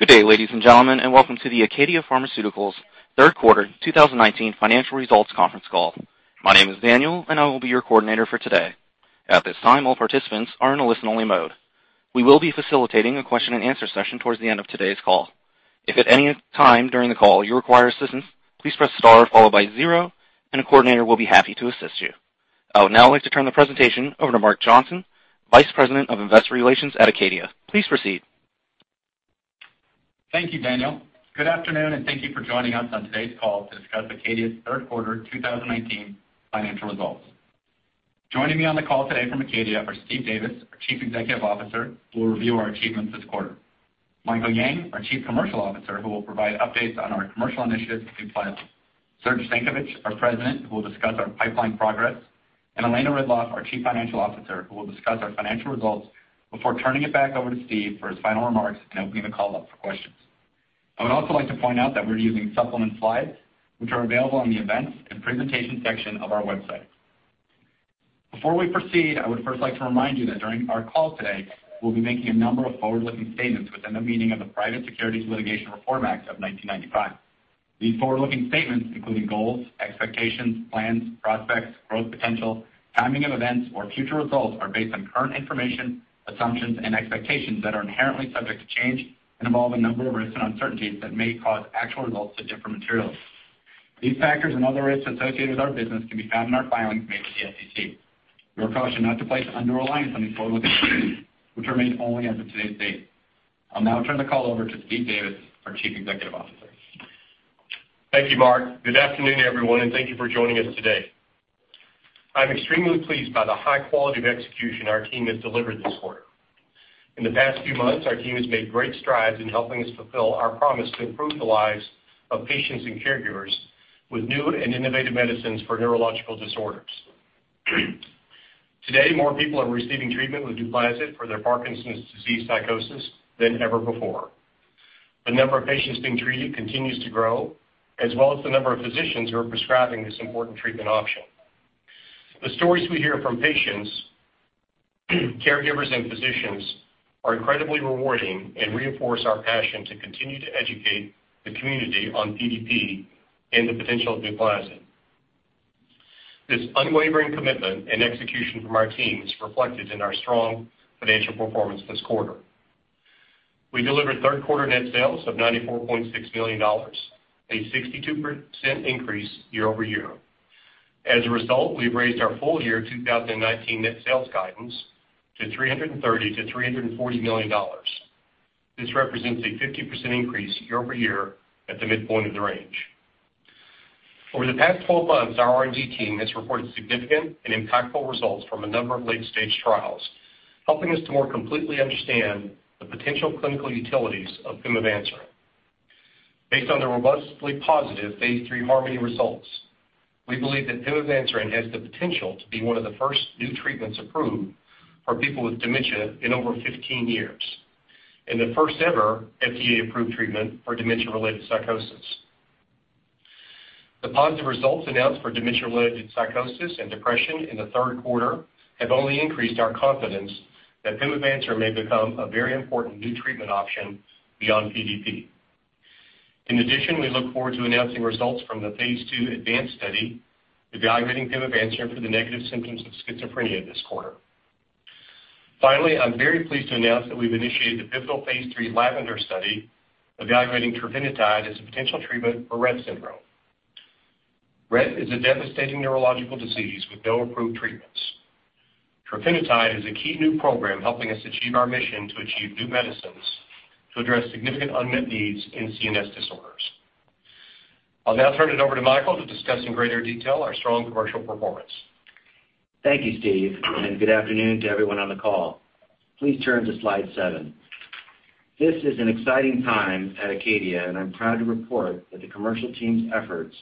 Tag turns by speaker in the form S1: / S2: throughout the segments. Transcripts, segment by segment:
S1: Good day, ladies and gentlemen, and welcome to the ACADIA Pharmaceuticals Third Quarter 2019 financial results conference call. My name is Daniel, and I will be your coordinator for today. At this time, all participants are in a listen-only mode. We will be facilitating a question and answer session towards the end of today's call. If at any time during the call you require assistance, please press star followed by zero, and a coordinator will be happy to assist you. I would now like to turn the presentation over to Mark Johnson, Vice President of Investor Relations at ACADIA. Please proceed.
S2: Thank you, Daniel. Good afternoon, and thank you for joining us on today's call to discuss ACADIA's third quarter 2019 financial results. Joining me on the call today from ACADIA are Steve Davis, our Chief Executive Officer, who will review our achievements this quarter, Michael Yang, our Chief Commercial Officer, who will provide updates on our commercial initiatives at NUPLAZID, Serge Stankovic, our President, who will discuss our pipeline progress, and Elena Ridloff, our Chief Financial Officer, who will discuss our financial results before turning it back over to Steve for his final remarks and opening the call up for questions. I would also like to point out that we're using supplement slides, which are available on the Events and Presentation section of our website. Before we proceed, I would first like to remind you that during our call today, we'll be making a number of forward-looking statements within the meaning of the Private Securities Litigation Reform Act of 1995. These forward-looking statements, including goals, expectations, plans, prospects, growth potential, timing of events, or future results, are based on current information, assumptions, and expectations that are inherently subject to change and involve a number of risks and uncertainties that may cause actual results to differ materially. These factors and other risks associated with our business can be found in our filings made with the SEC. We are cautioned not to place undue reliance on these forward-looking statements, which remain only as of today's date. I'll now turn the call over to Steve Davis, our Chief Executive Officer.
S3: Thank you, Mark. Good afternoon, everyone, and thank you for joining us today. I'm extremely pleased by the high quality of execution our team has delivered this quarter. In the past few months, our team has made great strides in helping us fulfill our promise to improve the lives of patients and caregivers with new and innovative medicines for neurological disorders. Today, more people are receiving treatment with NUPLAZID for their Parkinson's disease psychosis than ever before. The number of patients being treated continues to grow, as well as the number of physicians who are prescribing this important treatment option. The stories we hear from patients, caregivers, and physicians are incredibly rewarding and reinforce our passion to continue to educate the community on PDP and the potential of NUPLAZID. This unwavering commitment and execution from our team is reflected in our strong financial performance this quarter. We delivered third-quarter net sales of $94.6 million, a 62% increase year-over-year. As a result, we've raised our full year 2019 net sales guidance to $330 million-$340 million. This represents a 50% increase year-over-year at the midpoint of the range. Over the past 12 months, our R&D team has reported significant and impactful results from a number of late-stage trials, helping us to more completely understand the potential clinical utilities of pimavanserin. Based on the robustly positive phase III HARMONY results, we believe that pimavanserin has the potential to be one of the first new treatments approved for people with dementia in over 15 years and the first ever FDA-approved treatment for dementia-related psychosis. The positive results announced for dementia-related psychosis and depression in the third quarter have only increased our confidence that pimavanserin may become a very important new treatment option beyond PDP. In addition, we look forward to announcing results from the Phase II ADVANCE study evaluating pimavanserin for the negative symptoms of schizophrenia this quarter. Finally, I'm very pleased to announce that we've initiated the pivotal Phase III LAVENDER study evaluating trofinetide as a potential treatment for Rett syndrome. Rett is a devastating neurological disease with no approved treatments. Trofinetide is a key new program helping us achieve our mission to achieve new medicines to address significant unmet needs in CNS disorders. I'll now turn it over to Michael to discuss in greater detail our strong commercial performance.
S4: Thank you, Steve, and good afternoon to everyone on the call. Please turn to Slide seven. This is an exciting time at ACADIA, and I'm proud to report that the commercial team's efforts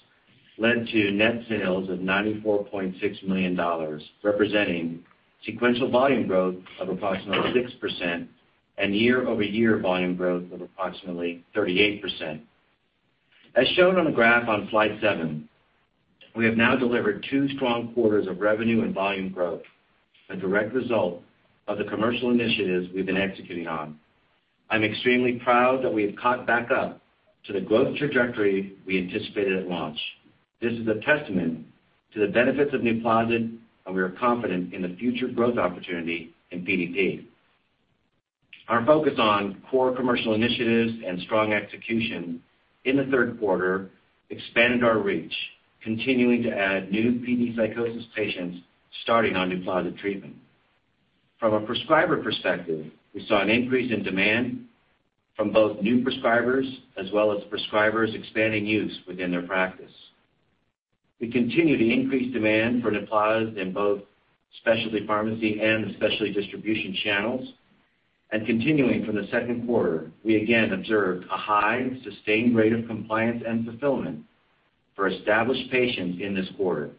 S4: led to net sales of $94.6 million, representing sequential volume growth of approximately 6% and year-over-year volume growth of approximately 38%. As shown on the graph on Slide seven, we have now delivered two strong quarters of revenue and volume growth, a direct result of the commercial initiatives we've been executing on. I'm extremely proud that we have caught back up to the growth trajectory we anticipated at launch. This is a testament to the benefits of NUPLAZID, and we are confident in the future growth opportunity in PDP. Our focus on core commercial initiatives and strong execution in the third quarter expanded our reach, continuing to add new PD psychosis patients starting on NUPLAZID treatment. From a prescriber perspective, we saw an increase in demand from both new prescribers, as well as prescribers expanding use within their practice. We continue to increase demand for NUPLAZID in both specialty pharmacy and specialty distribution channels. Continuing from the second quarter, we again observed a high sustained rate of compliance and fulfillment for established patients in this quarter.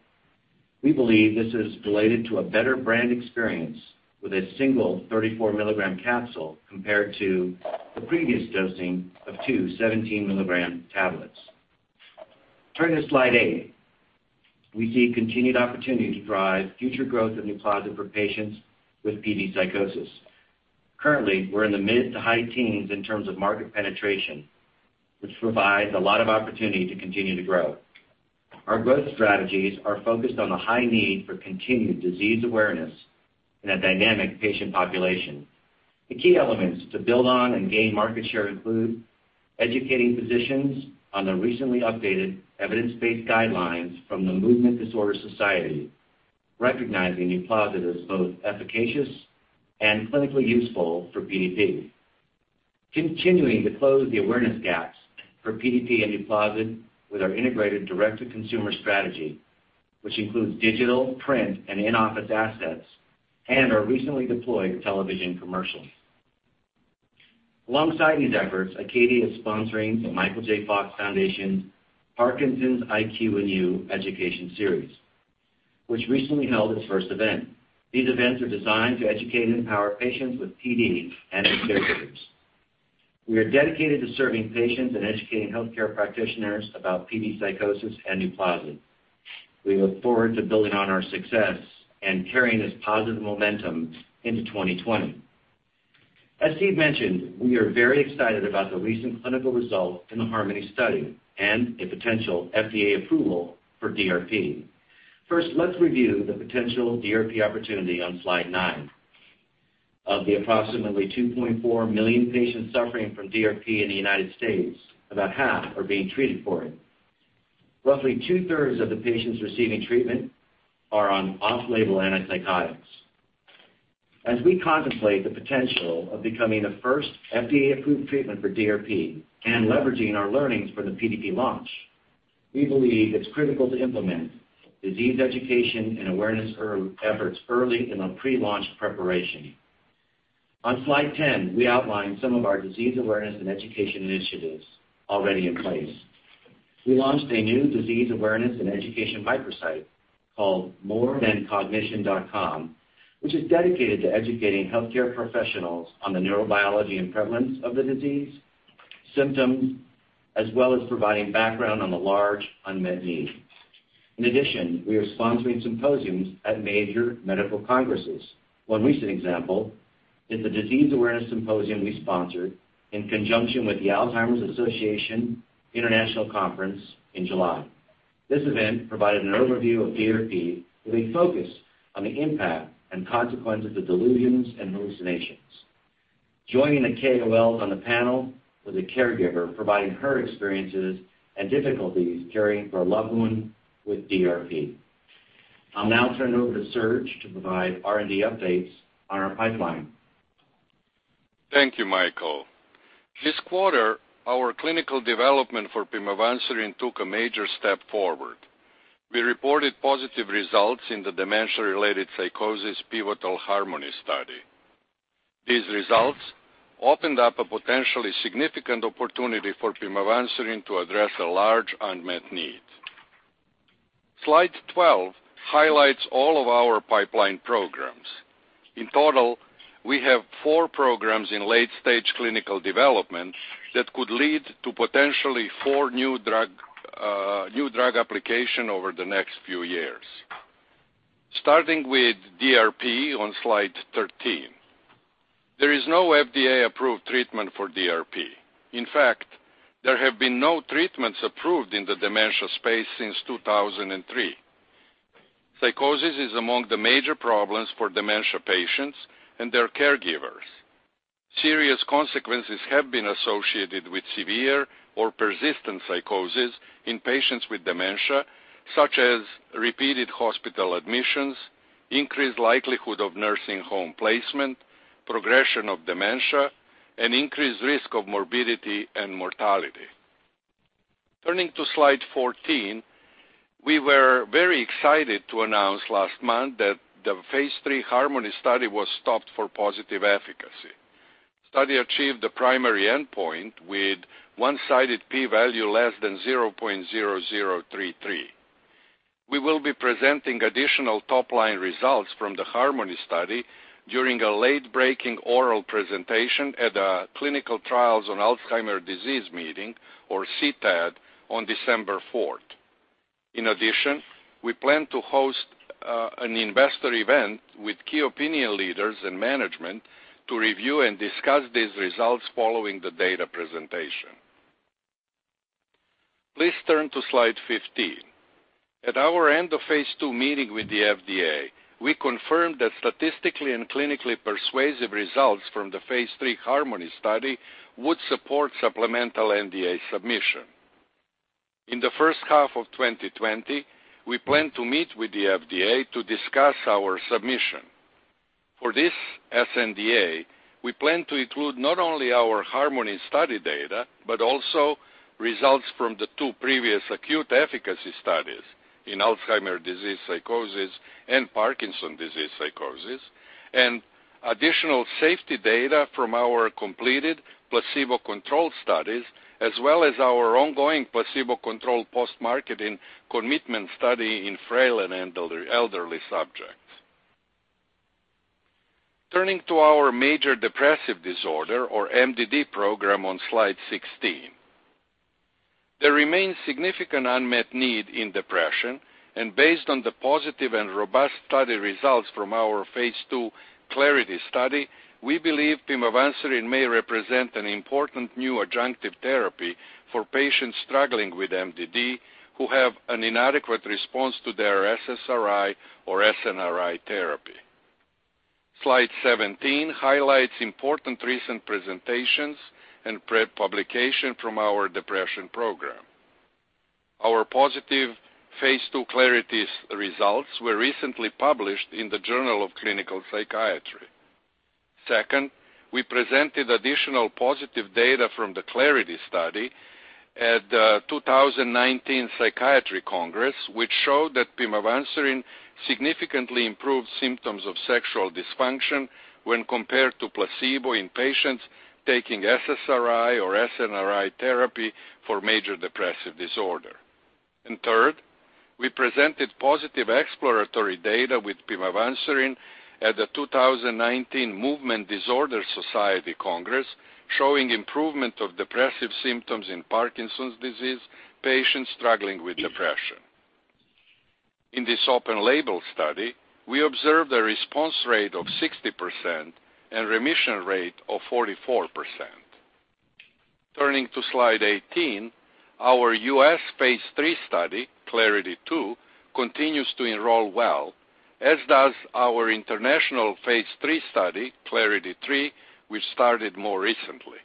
S4: We believe this is related to a better brand experience with a single 34 milligram capsule compared to the previous dosing of two 17 milligram tablets. Turning to slide eight. We see continued opportunity to drive future growth of NUPLAZID for patients with PD psychosis. Currently, we're in the mid to high teens in terms of market penetration, which provides a lot of opportunity to continue to grow. Our growth strategies are focused on the high need for continued disease awareness in a dynamic patient population. The key elements to build on and gain market share include educating physicians on the recently updated evidence-based guidelines from the International Parkinson and Movement Disorder Society, recognizing NUPLAZID as both efficacious and clinically useful for PDP. Continuing to close the awareness gaps for PDP and NUPLAZID with our integrated direct-to-consumer strategy, which includes digital, print, and in-office assets, and our recently deployed television commercials. Alongside these efforts, ACADIA is sponsoring The Michael J. Fox Foundation Parkinson's IQ + You education series, which recently held its first event. These events are designed to educate and empower patients with PD and their caregivers. We are dedicated to serving patients and educating healthcare practitioners about PD psychosis and NUPLAZID. We look forward to building on our success and carrying this positive momentum into 2020. As Steve mentioned, we are very excited about the recent clinical result in the HARMONY study and a potential FDA approval for DRP. Let's review the potential DRP opportunity on slide nine. Of the approximately 2.4 million patients suffering from DRP in the U.S., about half are being treated for it. Roughly two-thirds of the patients receiving treatment are on off-label antipsychotics. As we contemplate the potential of becoming the first FDA-approved treatment for DRP and leveraging our learnings for the PDP launch, we believe it's critical to implement disease education and awareness efforts early in the pre-launch preparation. On slide 10, we outline some of our disease awareness and education initiatives already in place. We launched a new disease awareness and education microsite called morethancognition.com, which is dedicated to educating healthcare professionals on the neurobiology and prevalence of the disease, symptoms, as well as providing background on the large unmet need. We are sponsoring symposiums at major medical congresses. One recent example is the disease awareness symposium we sponsored in conjunction with the Alzheimer's Association International Conference in July. This event provided an overview of DRP with a focus on the impact and consequences of delusions and hallucinations. Joining the KOLs on the panel was a caregiver providing her experiences and difficulties caring for a loved one with DRP. I'll now turn it over to Serge to provide R&D updates on our pipeline.
S5: Thank you, Michael. This quarter, our clinical development for pimavanserin took a major step forward. We reported positive results in the dementia-related psychosis pivotal HARMONY study. These results opened up a potentially significant opportunity for pimavanserin to address a large unmet need. Slide 12 highlights all of our pipeline programs. In total, we have four programs in late-stage clinical development that could lead to potentially four new drug application over the next few years. Starting with DRP on slide 13. There is no FDA-approved treatment for DRP. In fact, there have been no treatments approved in the dementia space since 2003. Psychosis is among the major problems for dementia patients and their caregivers. Serious consequences have been associated with severe or persistent psychosis in patients with dementia, such as repeated hospital admissions, increased likelihood of nursing home placement, progression of dementia, and increased risk of morbidity and mortality. Turning to slide 14, we were very excited to announce last month that the phase III HARMONY study was stopped for positive efficacy. Study achieved the primary endpoint with one-sided P value less than 0.0033. We will be presenting additional top-line results from the HARMONY study during a late breaking oral presentation at a Clinical Trials on Alzheimer's Disease meeting, or CTAD, on December 4th. In addition, we plan to host an investor event with key opinion leaders and management to review and discuss these results following the data presentation. Please turn to slide 15. At our end of phase II meeting with the FDA, we confirmed that statistically and clinically persuasive results from the phase III HARMONY study would support supplemental NDA submission. In the first half of 2020, we plan to meet with the FDA to discuss our submission. For this sNDA, we plan to include not only our HARMONY study data but also results from the two previous acute efficacy studies in Alzheimer's disease psychosis and Parkinson's disease psychosis, and additional safety data from our completed placebo-controlled studies, as well as our ongoing placebo-controlled post-marketing commitment study in frail and elderly subjects. Turning to our major depressive disorder or MDD program on slide 16. There remains significant unmet need in depression. Based on the positive and robust study results from our phase II CLARITY study, we believe pimavanserin may represent an important new adjunctive therapy for patients struggling with MDD who have an inadequate response to their SSRI or SNRI therapy. Slide 17 highlights important recent presentations and publication from our depression program. Our positive phase II CLARITY results were recently published in The Journal of Clinical Psychiatry. Second, we presented additional positive data from the CLARITY study at the 2019 Psych Congress, which showed that pimavanserin significantly improved symptoms of sexual dysfunction when compared to placebo in patients taking SSRI or SNRI therapy for major depressive disorder. Third, we presented positive exploratory data with pimavanserin at the 2019 International Congress of Parkinson's Disease and Movement Disorders, showing improvement of depressive symptoms in Parkinson's disease patients struggling with depression. In this open label study, we observed a response rate of 60% and remission rate of 44%. Turning to slide 18, our U.S. phase III study, CLARITY-2, continues to enroll well, as does our international phase III study, CLARITY-3, which started more recently.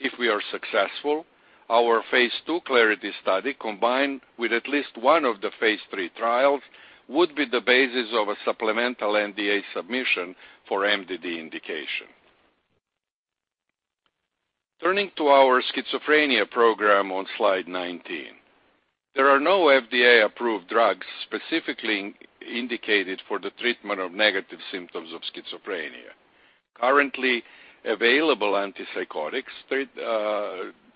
S5: If we are successful, our phase II CLARITY study, combined with at least one of the phase III trials, would be the basis of a supplemental NDA submission for MDD indication. Turning to our schizophrenia program on slide 19. There are no FDA-approved drugs specifically indicated for the treatment of negative symptoms of schizophrenia. Currently available antipsychotics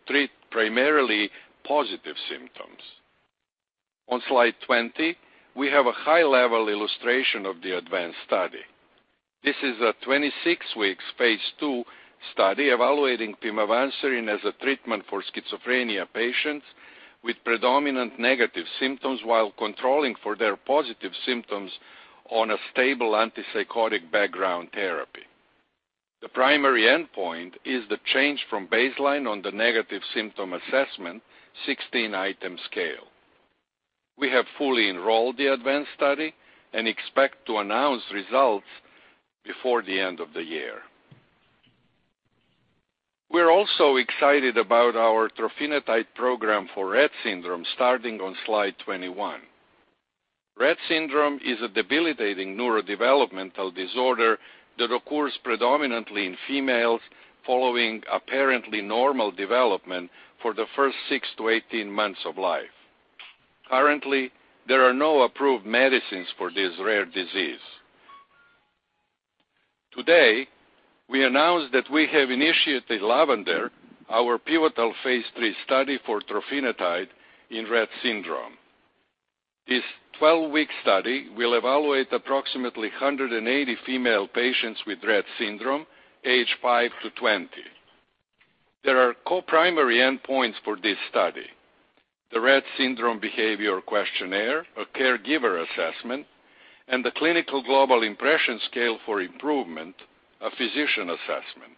S5: treat primarily positive symptoms. On slide 20, we have a high-level illustration of the ADVANCE study. This is a 26-week phase II study evaluating pimavanserin as a treatment for schizophrenia patients with predominant negative symptoms while controlling for their positive symptoms on a stable antipsychotic background therapy. The primary endpoint is the change from baseline on the Negative Symptom Assessment-16 scale. We have fully enrolled the ADVANCE study and expect to announce results before the end of the year. We're also excited about our trofinetide program for Rett syndrome, starting on slide 21. Rett syndrome is a debilitating neurodevelopmental disorder that occurs predominantly in females following apparently normal development for the first six to 18 months of life. Currently, there are no approved medicines for this rare disease. Today, we announced that we have initiated LAVENDER, our pivotal phase III study for trofinetide in Rett syndrome. This 12-week study will evaluate approximately 180 female patients with Rett syndrome age five to 20. There are co-primary endpoints for this study. The Rett Syndrome Behaviour Questionnaire, a caregiver assessment, and the Clinical Global Impression - Improvement, a physician assessment.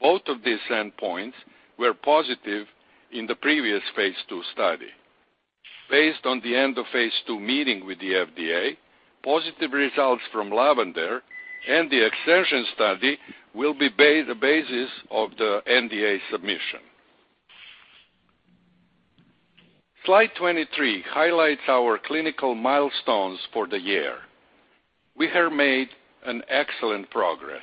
S5: Both of these endpoints were positive in the previous phase II study. Based on the end of phase II meeting with the FDA, positive results from LAVENDER and the extension study will be the basis of the NDA submission. Slide 23 highlights our clinical milestones for the year. We have made an excellent progress.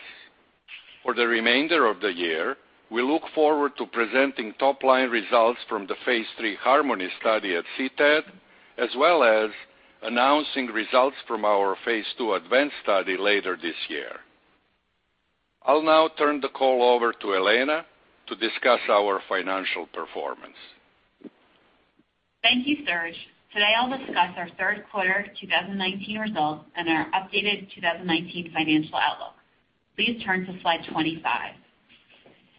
S5: For the remainder of the year, we look forward to presenting top-line results from the phase III HARMONY study at CTAD, as well as announcing results from our phase II ADVANCE study later this year. I'll now turn the call over to Elena to discuss our financial performance.
S6: Thank you, Serge. Today, I'll discuss our third quarter 2019 results and our updated 2019 financial outlook. Please turn to slide 25.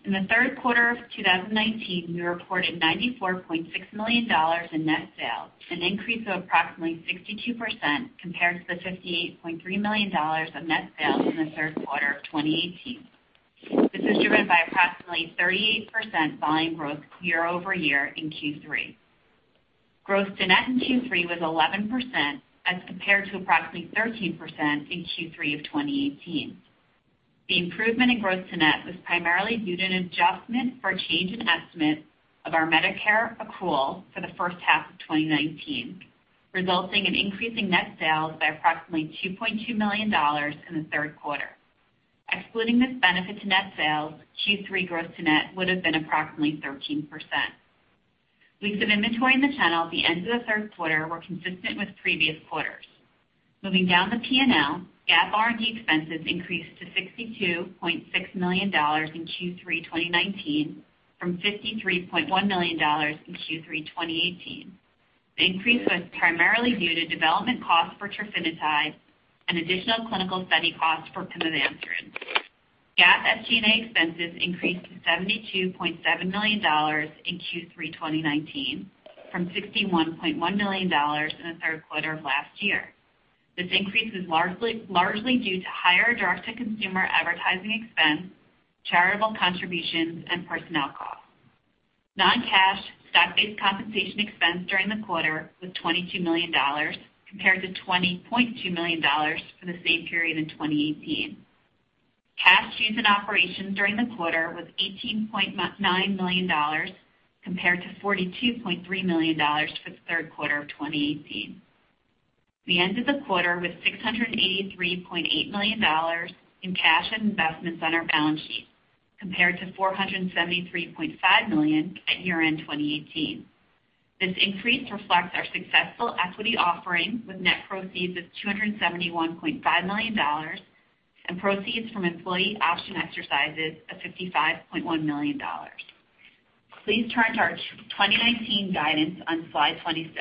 S6: In the third quarter of 2019, we reported $94.6 million in net sales, an increase of approximately 62% compared to the $58.3 million of net sales in the third quarter of 2018. This is driven by approximately 38% volume growth year-over-year in Q3. Growth to net in Q3 was 11% as compared to approximately 13% in Q3 of 2018. The improvement in growth to net was primarily due to an adjustment for a change in estimate of our Medicare accrual for the first half of 2019, resulting in increasing net sales by approximately $2.2 million in the third quarter. Excluding this benefit to net sales, Q3 growth to net would have been approximately 13%. Weeks of inventory in the channel at the end of the third quarter were consistent with previous quarters. Moving down the P&L, GAAP R&D expenses increased to $62.6 million in Q3 2019 from $53.1 million in Q3 2018. The increase was primarily due to development costs for trofinetide and additional clinical study costs for pimavanserin. GAAP SG&A expenses increased to $72.7 million in Q3 2019 from $61.1 million in the third quarter of last year. This increase is largely due to higher direct-to-consumer advertising expense, charitable contributions, and personnel costs. Non-cash stock-based compensation expense during the quarter was $22 million compared to $20.2 million for the same period in 2018. Cash used in operations during the quarter was $18.9 million compared to $42.3 million for the third quarter of 2018. We ended the quarter with $683.8 million in cash and investments on our balance sheet, compared to $473.5 million at year-end 2018. This increase reflects our successful equity offering with net proceeds of $271.5 million and proceeds from employee option exercises of $55.1 million. Please turn to our 2019 guidance on slide 26.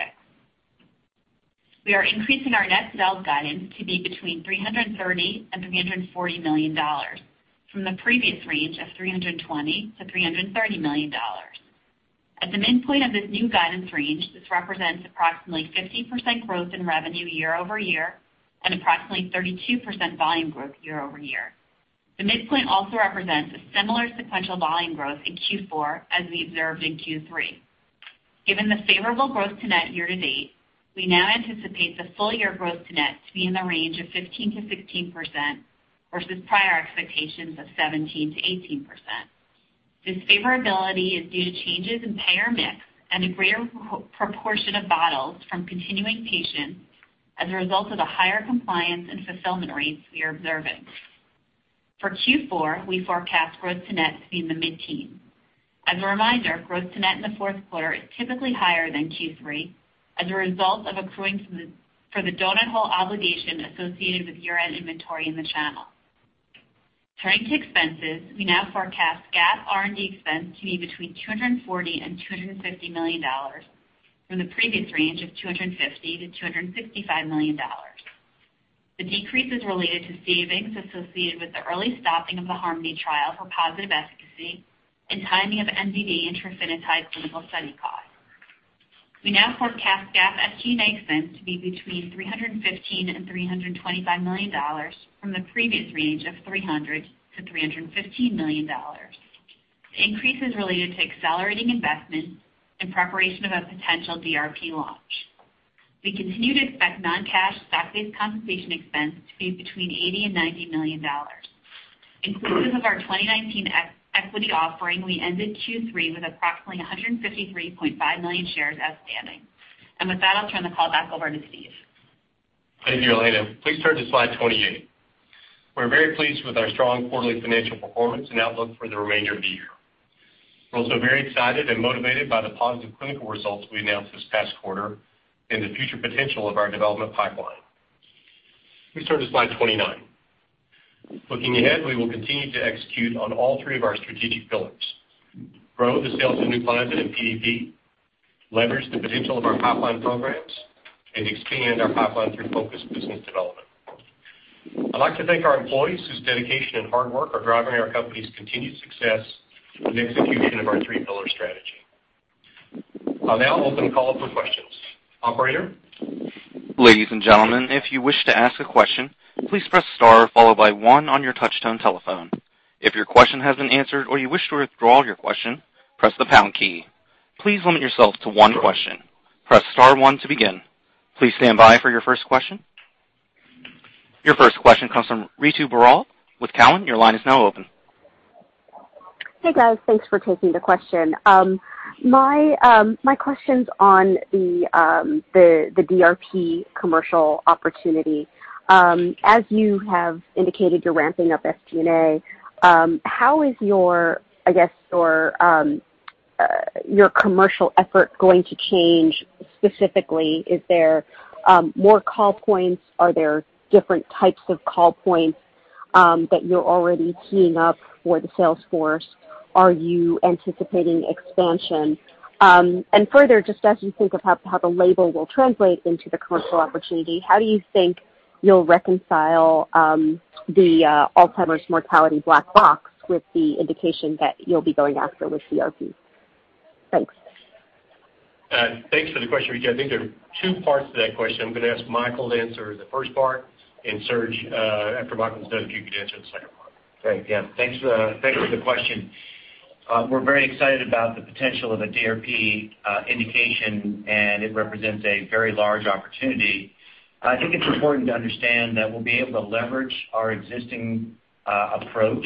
S6: We are increasing our net sales guidance to be between $330 million and $340 million from the previous range of $320 million-$330 million. At the midpoint of this new guidance range, this represents approximately 15% growth in revenue year-over-year and approximately 32% volume growth year-over-year. The midpoint also represents a similar sequential volume growth in Q4 as we observed in Q3. Given the favorable growth to net year to date, we now anticipate the full year growth to net to be in the range of 15%-16% versus prior expectations of 17%-18%. This favorability is due to changes in payer mix and a greater proportion of bottles from continuing patients as a result of the higher compliance and fulfillment rates we are observing. For Q4, we forecast growth to net to be in the mid-teens. As a reminder, growth to net in the fourth quarter is typically higher than Q3 as a result of accruing for the doughnut hole obligation associated with year-end inventory in the channel. Turning to expenses, we now forecast GAAP R&D expense to be between $240 million and $250 million from the previous range of $250 million-$265 million. The decrease is related to savings associated with the early stopping of the HARMONY trial for positive efficacy and timing of MDD and trofinetide clinical study costs. We now forecast GAAP SG&A expense to be between $315 million and $325 million from the previous range of $300 million-$315 million. The increase is related to accelerating investment in preparation of a potential DRP launch. We continue to expect non-cash stock-based compensation expense to be between $80 million and $90 million. Inclusive of our 2019 equity offering, we ended Q3 with approximately 153.5 million shares outstanding. With that, I'll turn the call back over to Steve.
S3: Thank you, Elena. Please turn to slide 28. We're very pleased with our strong quarterly financial performance and outlook for the remainder of the year. We're also very excited and motivated by the positive clinical results we announced this past quarter and the future potential of our development pipeline. Please turn to slide 29. Looking ahead, we will continue to execute on all three of our strategic pillars: grow the sales of NUPLAZID and PDP, leverage the potential of our pipeline programs, and expand our pipeline through focused business development. I'd like to thank our employees whose dedication and hard work are driving our company's continued success with execution of our three-pillar strategy. I'll now open the call up for questions. Operator?
S1: Ladies and gentlemen, if you wish to ask a question, please press star followed by one on your touch-tone telephone. If your question has been answered or you wish to withdraw your question, press the pound key. Please limit yourself to one question. Press star one to begin. Please stand by for your first question. Your first question comes from Ritu Baral with Cowen. Your line is now open.
S7: Hey, guys. Thanks for taking the question. My question's on the DRP commercial opportunity. As you have indicated you're ramping up SG&A, how is your commercial effort going to change specifically? Is there more call points? Are there different types of call points that you're already teeing up for the sales force? Are you anticipating expansion? Further, just as you think of how the label will translate into the commercial opportunity, how do you think you'll reconcile the Alzheimer's mortality black box with the indication that you'll be going after with DRP? Thanks.
S3: Thanks for the question, Ritu. I think there are two parts to that question. I'm going to ask Michael to answer the first part, and Serge, after Michael's done, if you could answer the second part.
S4: Great. Yeah. Thanks for the question. We're very excited about the potential of a DRP indication, and it represents a very large opportunity. I think it's important to understand that we'll be able to leverage our existing approach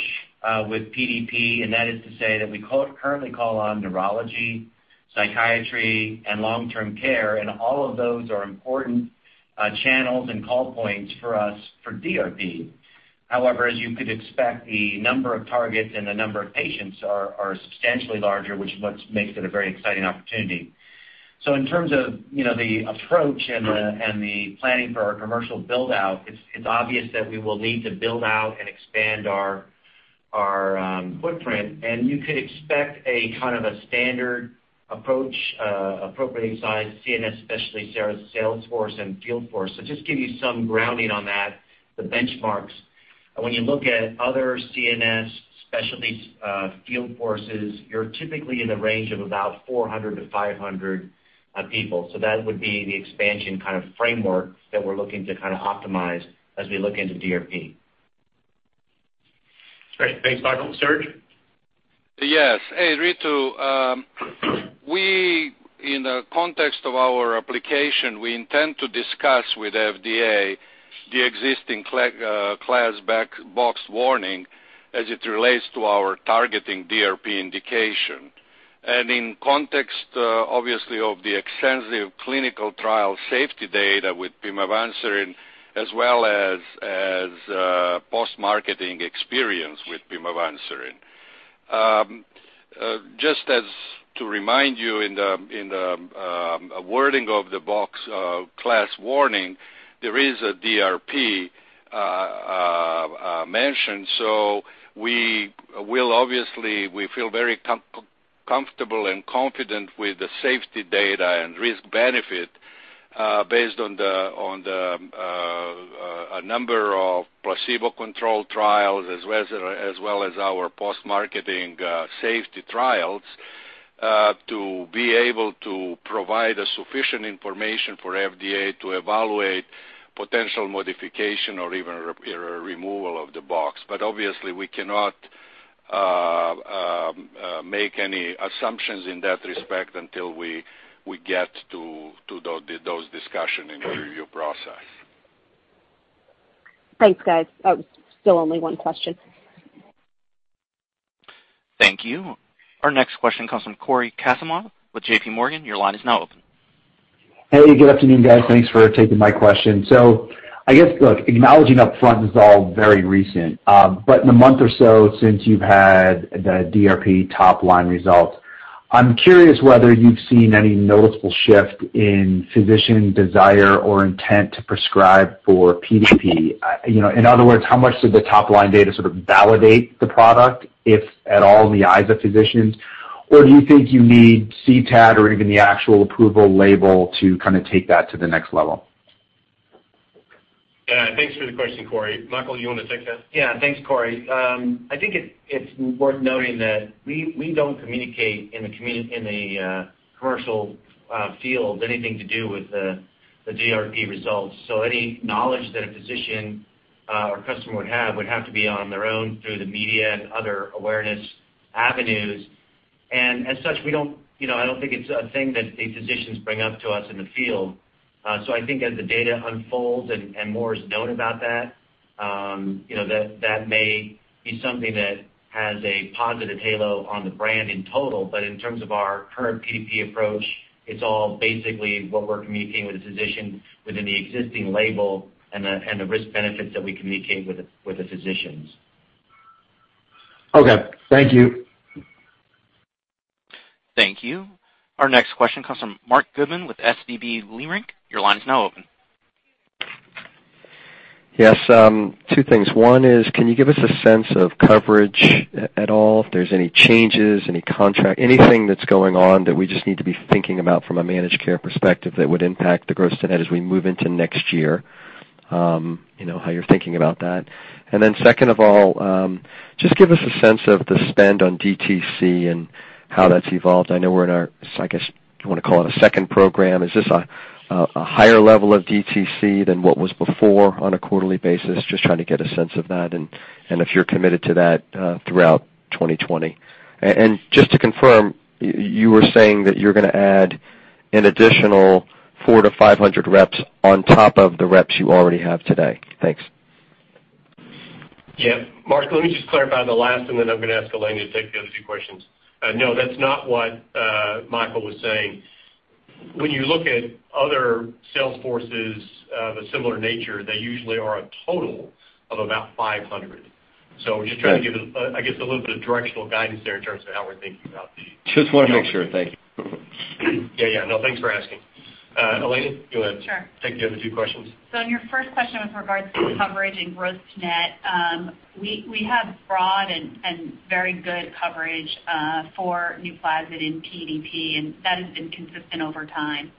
S4: with PDP, and that is to say that we currently call on neurology, psychiatry, and long-term care, and all of those are important channels and call points for us for DRP. However, as you could expect, the number of targets and the number of patients are substantially larger, which makes it a very exciting opportunity. In terms of the approach and the planning for our commercial build-out, it's obvious that we will need to build out and expand our. Our footprint, you could expect a standard approach, appropriate size CNS specialty sales force and field force. Just give you some grounding on that, the benchmarks. When you look at other CNS specialties field forces, you're typically in the range of about 400 to 500 people. That would be the expansion kind of framework that we're looking to optimize as we look into DRP.
S3: Great. Thanks, Michael. Serge?
S5: Yes. Hey, Ritu. In the context of our application, we intend to discuss with FDA the existing class box warning as it relates to our targeting DRP indication. In context, obviously of the extensive clinical trial safety data with pimavanserin, as well as post-marketing experience with pimavanserin. Just as to remind you in the wording of the box class warning, there is a DRP mentioned. We feel very comfortable and confident with the safety data and risk-benefit based on the number of placebo control trials, as well as our post-marketing safety trials to be able to provide a sufficient information for FDA to evaluate potential modification or even removal of the box. Obviously, we cannot make any assumptions in that respect until we get to those discussion in the review process.
S7: Thanks, guys. Still only one question.
S1: Thank you. Our next question comes from Cory Kasimov with JPMorgan. Your line is now open.
S8: Hey, good afternoon, guys. Thanks for taking my question. I guess, look, acknowledging up front, this is all very recent. In the month or so since you've had the DRP top-line results, I'm curious whether you've seen any noticeable shift in physician desire or intent to prescribe for PDP. In other words, how much did the top-line data sort of validate the product if at all in the eyes of physicians? Do you think you need CTAD or even the actual approval label to kind of take that to the next level?
S3: Thanks for the question, Cory. Michael, you want to take that?
S4: Thanks, Cory. I think it's worth noting that we don't communicate in the commercial field anything to do with the DRP results. Any knowledge that a physician or customer would have would have to be on their own through the media and other awareness avenues. As such, I don't think it's a thing that the physicians bring up to us in the field. I think as the data unfolds and more is known about that may be something that has a positive halo on the brand in total, but in terms of our current PDP approach, it's all basically what we're communicating with the physician within the existing label and the risk benefits that we communicate with the physicians.
S8: Okay. Thank you.
S1: Thank you. Our next question comes from Marc Goodman with SVB Leerink. Your line is now open.
S9: Yes, two things. One is, can you give us a sense of coverage at all, if there's any changes, any contract, anything that's going on that we just need to be thinking about from a managed care perspective that would impact the gross to net as we move into next year? How you're thinking about that. Second of all, just give us a sense of the spend on DTC and how that's evolved. I know we're in our, I guess, you want to call it a second program. Is this a higher level of DTC than what was before on a quarterly basis? Just trying to get a sense of that and if you're committed to that throughout 2020. Just to confirm, you were saying that you're going to add an additional 400 to 500 reps on top of the reps you already have today. Thanks.
S3: Yeah. Mark, let me just clarify the last, and then I'm going to ask Elena to take the other two questions. No, that's not what Michael was saying. When you look at other sales forces of a similar nature, they usually are a total of about 500. We're just trying to give, I guess, a little bit of directional guidance there in terms of how we're thinking about.
S9: Just want to make sure. Thank you.
S3: Yeah. No, thanks for asking. Elena, go ahead.
S6: Sure.
S3: Take the other two questions.
S6: On your first question with regards to coverage and gross to net, we have broad and very good coverage for NUPLAZID in PDP, and that has been consistent over time.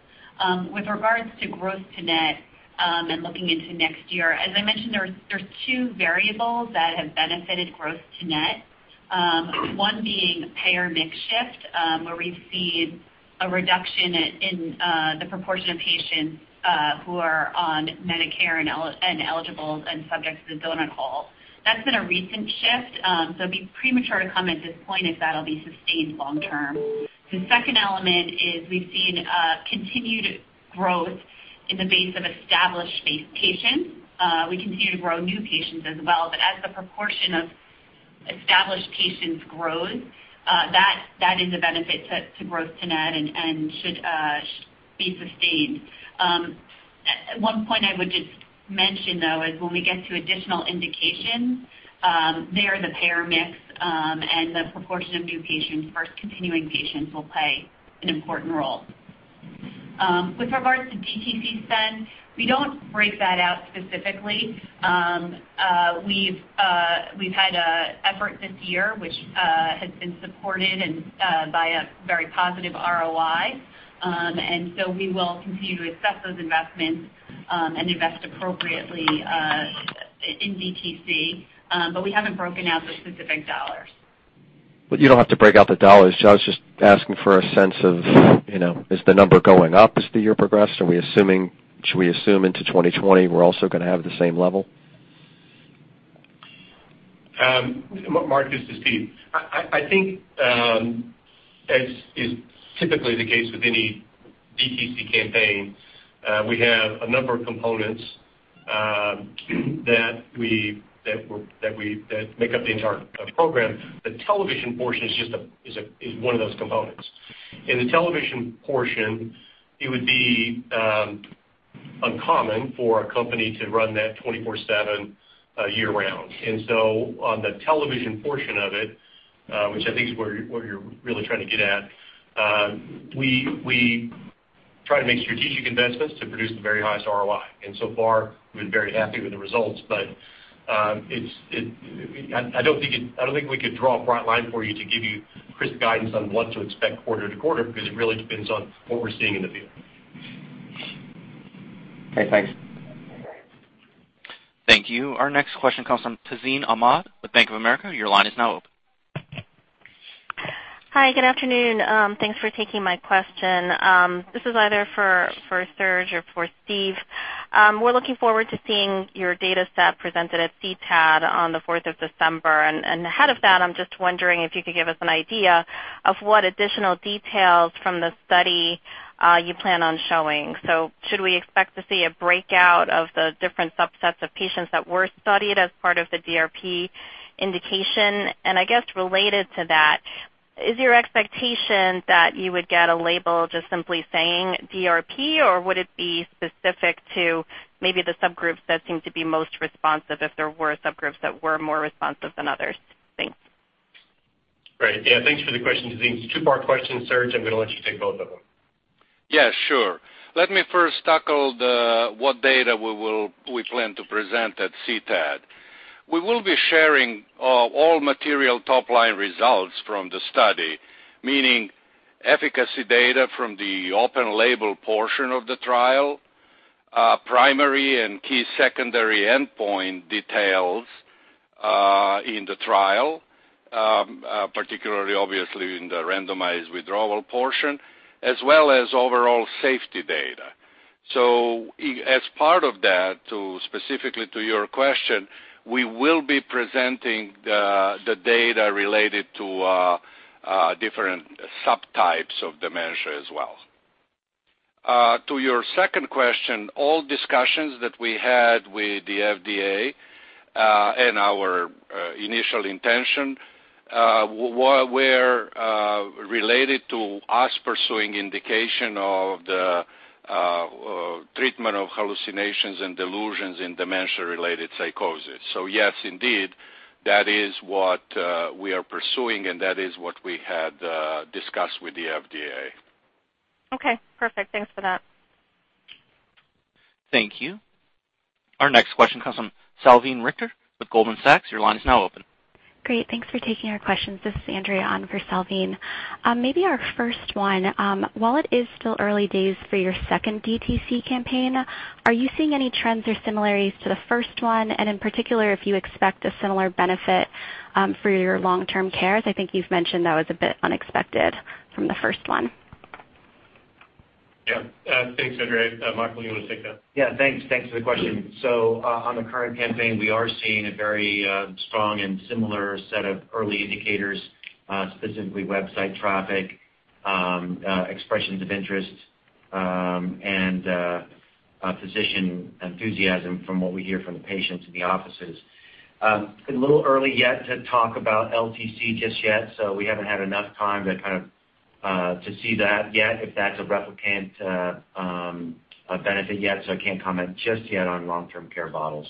S6: With regards to gross to net and looking into next year, as I mentioned, there are 2 variables that have benefited gross to net. One being payer mix shift, where we've seen a reduction in the proportion of patients who are on Medicare and eligibles and subjects to the donut hole. That's been a recent shift, so it'd be premature to comment at this point if that'll be sustained long term. The second element is we've seen a continued growth in the base of established patients. We continue to grow new patients as well, but as the proportion of established patients grows, that is a benefit to gross to net and should be sustained. One point I would just mention, though, is when we get to additional indications, there the payer mix and the proportion of new patients versus continuing patients will play an important role. With regards to DTC spend, we don't break that out specifically. We've had an effort this year, which has been supported by a very positive ROI. We will continue to assess those investments and invest appropriately in DTC. We haven't broken out the specific dollars.
S9: Well, you don't have to break out the $. I was just asking for a sense of, is the number going up as the year progressed? Should we assume into 2020 we're also going to have the same level?
S3: Mark, this is Steve. I think, as is typically the case with any DTC campaign, we have a number of components that make up the entire program. The television portion is one of those components. In the television portion, it would be uncommon for a company to run that 24/7 year-round. On the television portion of it, which I think is where you're really trying to get at, we try to make strategic investments to produce the very highest ROI. So far, we've been very happy with the results. I don't think we could draw a bright line for you to give you crisp guidance on what to expect quarter to quarter, because it really depends on what we're seeing in the field.
S9: Okay, thanks.
S1: Thank you. Our next question comes from Tazeen Ahmad with Bank of America. Your line is now open.
S10: Hi, good afternoon. Thanks for taking my question. This is either for Serge or for Steve. We're looking forward to seeing your data set presented at CTAD on the 4th of December. Ahead of that, I'm just wondering if you could give us an idea of what additional details from the study you plan on showing. Should we expect to see a breakout of the different subsets of patients that were studied as part of the DRP indication? I guess related to that, is your expectation that you would get a label just simply saying DRP, or would it be specific to maybe the subgroups that seem to be most responsive if there were subgroups that were more responsive than others? Thanks.
S3: Great. Yeah, thanks for the question, Tazeen. It's a two-part question, Serge. I'm going to let you take both of them.
S5: Yeah, sure. Let me first tackle what data we plan to present at CTAD. We will be sharing all material top-line results from the study, meaning efficacy data from the open label portion of the trial, primary and key secondary endpoint details in the trial, particularly obviously in the randomized withdrawal portion, as well as overall safety data. As part of that, specifically to your question, we will be presenting the data related to different subtypes of dementia as well. To your second question, all discussions that we had with the FDA and our initial intention were related to us pursuing indication of the treatment of hallucinations and delusions in dementia-related psychosis. Yes, indeed, that is what we are pursuing, and that is what we had discussed with the FDA.
S10: Okay, perfect. Thanks for that.
S1: Thank you. Our next question comes from Salveen Richter with Goldman Sachs. Your line is now open.
S11: Great. Thanks for taking our questions. This is Andrea on for Salveen. Maybe our first one. While it is still early days for your second DTC campaign, are you seeing any trends or similarities to the first one? In particular, if you expect a similar benefit for your long-term care, as I think you've mentioned that was a bit unexpected from the first one.
S3: Thanks, Andrea. Michael, you want to take that?
S4: Yeah. Thanks for the question. On the current campaign, we are seeing a very strong and similar set of early indicators, specifically website traffic, expressions of interest, and physician enthusiasm from what we hear from the patients in the offices. It's a little early yet to talk about LTC just yet, so we haven't had enough time to see that yet, if that's a replicable benefit yet. I can't comment just yet on long-term care models.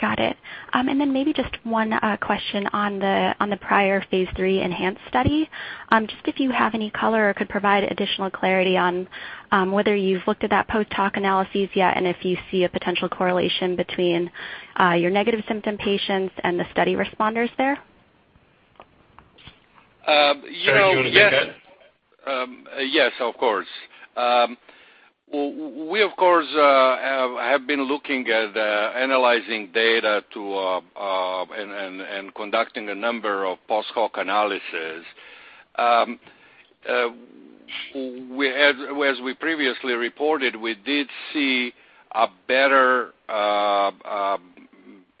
S11: Got it. Maybe just one question on the prior phase III ENHANCE study. Just if you have any color or could provide additional clarity on whether you've looked at that post-hoc analysis yet, and if you see a potential correlation between your negative symptom patients and the study responders there.
S3: Serge, do you want to take that?
S5: Yes, of course. We, of course, have been looking at analyzing data and conducting a number of post-hoc analysis. As we previously reported, we did see a better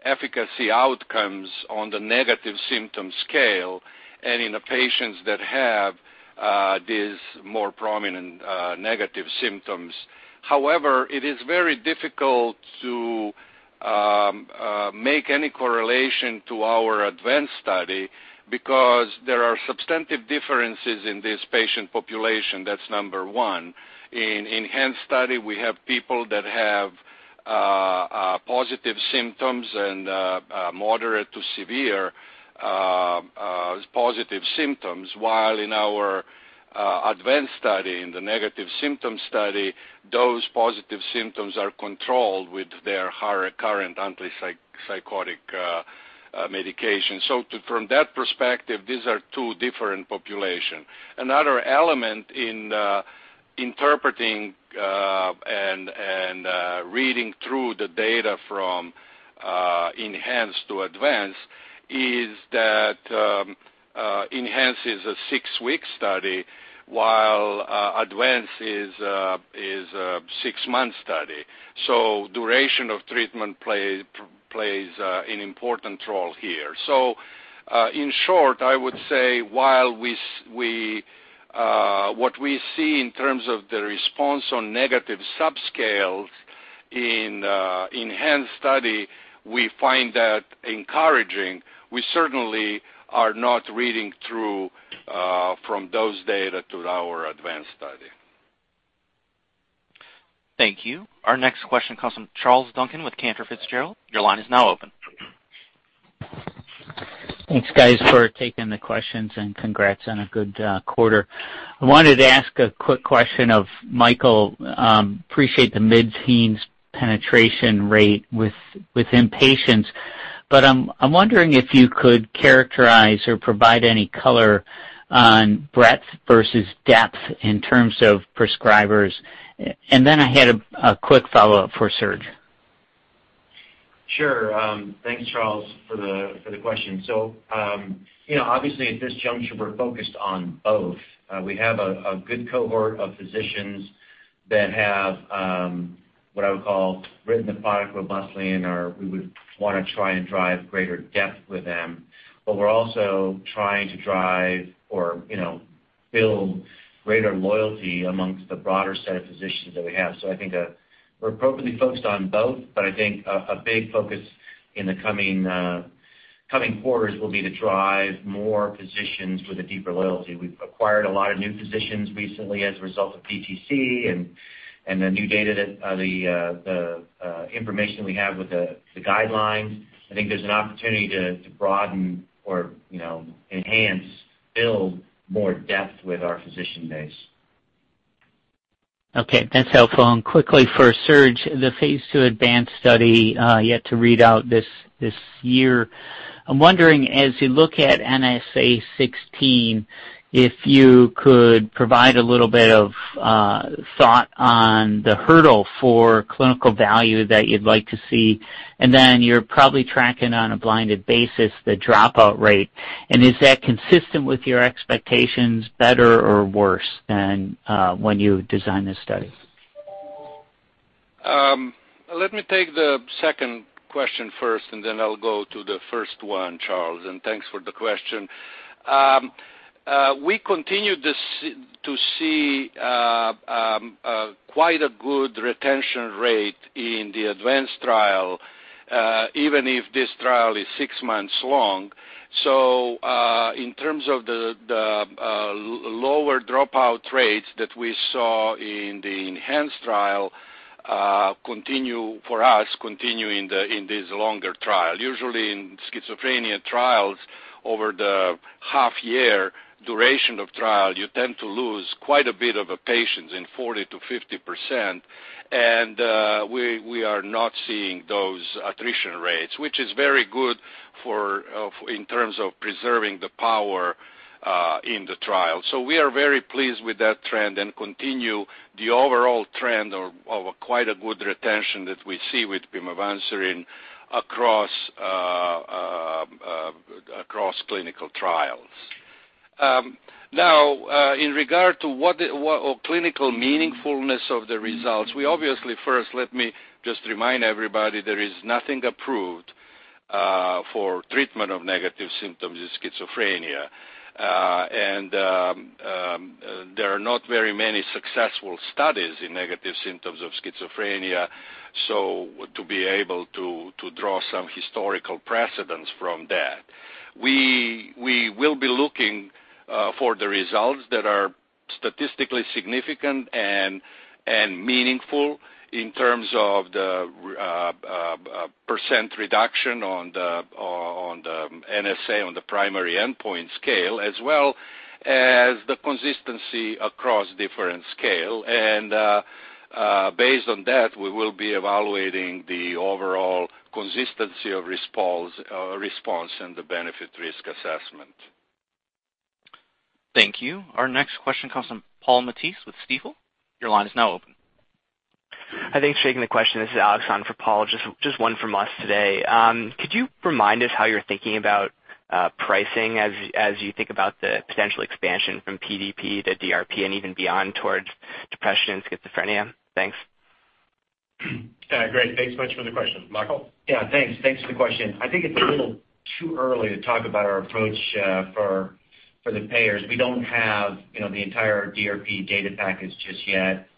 S5: efficacy outcomes on the negative symptom scale and in the patients that have these more prominent negative symptoms. It is very difficult to make any correlation to our ADVANCE study because there are substantive differences in this patient population. That's number one. In ENHANCE study, we have people that have positive symptoms and moderate to severe positive symptoms. While in our ADVANCE study, in the negative symptom study, those positive symptoms are controlled with their higher current antipsychotic medication. From that perspective, these are two different population. Another element in interpreting and reading through the data from ENHANCE to ADVANCE is that ENHANCE is a 6-week study, while ADVANCE is a 6-month study. Duration of treatment plays an important role here. In short, I would say, what we see in terms of the response on negative subscales in ENHANCE study, we find that encouraging. We certainly are not reading through from those data to our ADVANCE study.
S1: Thank you. Our next question comes from Charles Duncan with Cantor Fitzgerald. Your line is now open.
S12: Thanks, guys, for taking the questions. Congrats on a good quarter. I wanted to ask a quick question of Michael. Appreciate the mid-teens penetration rate within patients, but I'm wondering if you could characterize or provide any color on breadth versus depth in terms of prescribers. Then I had a quick follow-up for Serge.
S4: Sure. Thanks, Charles, for the question. Obviously at this juncture, we're focused on both. We have a good cohort of physicians that have, what I would call, written the product robustly, and we would want to try and drive greater depth with them. We're also trying to drive or build greater loyalty amongst the broader set of physicians that we have. I think we're appropriately focused on both, but I think a big focus in the coming quarters will be to drive more physicians with a deeper loyalty. We've acquired a lot of new physicians recently as a result of DTC and the new data that the information we have with the guidelines. I think there's an opportunity to broaden or enhance, build more depth with our physician base.
S12: Okay. That's helpful. Quickly for Serge, the phase II ADVANCE study yet to read out this year. I'm wondering, as you look at NSA16, if you could provide a little bit of thought on the hurdle for clinical value that you'd like to see, you're probably tracking on a blinded basis the dropout rate. Is that consistent with your expectations better or worse than when you designed this study?
S5: Let me take the second question first. Then I'll go to the first one, Charles. Thanks for the question. We continue to see quite a good retention rate in the ADVANCE trial, even if this trial is six months long. In terms of the lower dropout rates that we saw in the ENHANCE trial for us continue in this longer trial. Usually in schizophrenia trials over the half-year duration of trial, you tend to lose quite a bit of patients in 40%-50%. We are not seeing those attrition rates, which is very good in terms of preserving the power in the trial. We are very pleased with that trend. We continue the overall trend of quite a good retention that we see with pimavanserin across clinical trials. In regard to what clinical meaningfulness of the results, we obviously first let me just remind everybody, there is nothing approved for treatment of negative symptoms of schizophrenia. There are not very many successful studies in negative symptoms of schizophrenia, so to be able to draw some historical precedence from that. We will be looking for the results that are statistically significant and meaningful in terms of the percent reduction on the NSA on the primary endpoint scale, as well as the consistency across different scale. Based on that, we will be evaluating the overall consistency of response and the benefit risk assessment.
S1: Thank you. Our next question comes from Paul Matteis with Stifel. Your line is now open.
S13: Thanks for taking the question. This is Alex on for Paul, just one from us today. Could you remind us how you're thinking about pricing as you think about the potential expansion from PDP to DRP and even beyond towards depression and schizophrenia? Thanks.
S3: Great. Thanks so much for the question. Michael?
S4: Thanks for the question. I think it's a little too early to talk about our approach for the payers. We don't have the entire DRP data package just yet.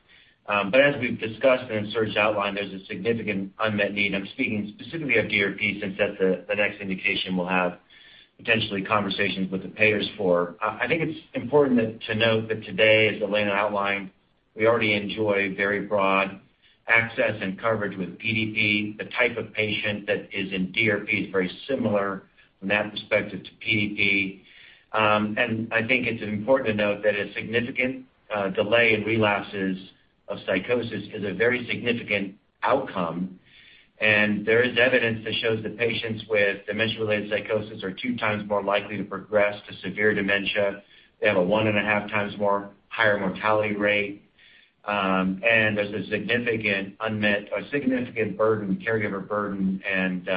S4: As we've discussed and as Serge outlined, there's a significant unmet need. I'm speaking specifically of DRP since that's the next indication we'll have potentially conversations with the payers for. I think it's important to note that today, as Elena outlined We already enjoy very broad access and coverage with PDP. The type of patient that is in DRP is very similar from that perspective to PDP. I think it's important to note that a significant delay in relapses of psychosis is a very significant outcome, and there is evidence that shows that patients with dementia-related psychosis are two times more likely to progress to severe dementia. They have a one and a half times more higher mortality rate. There's a significant caregiver burden, and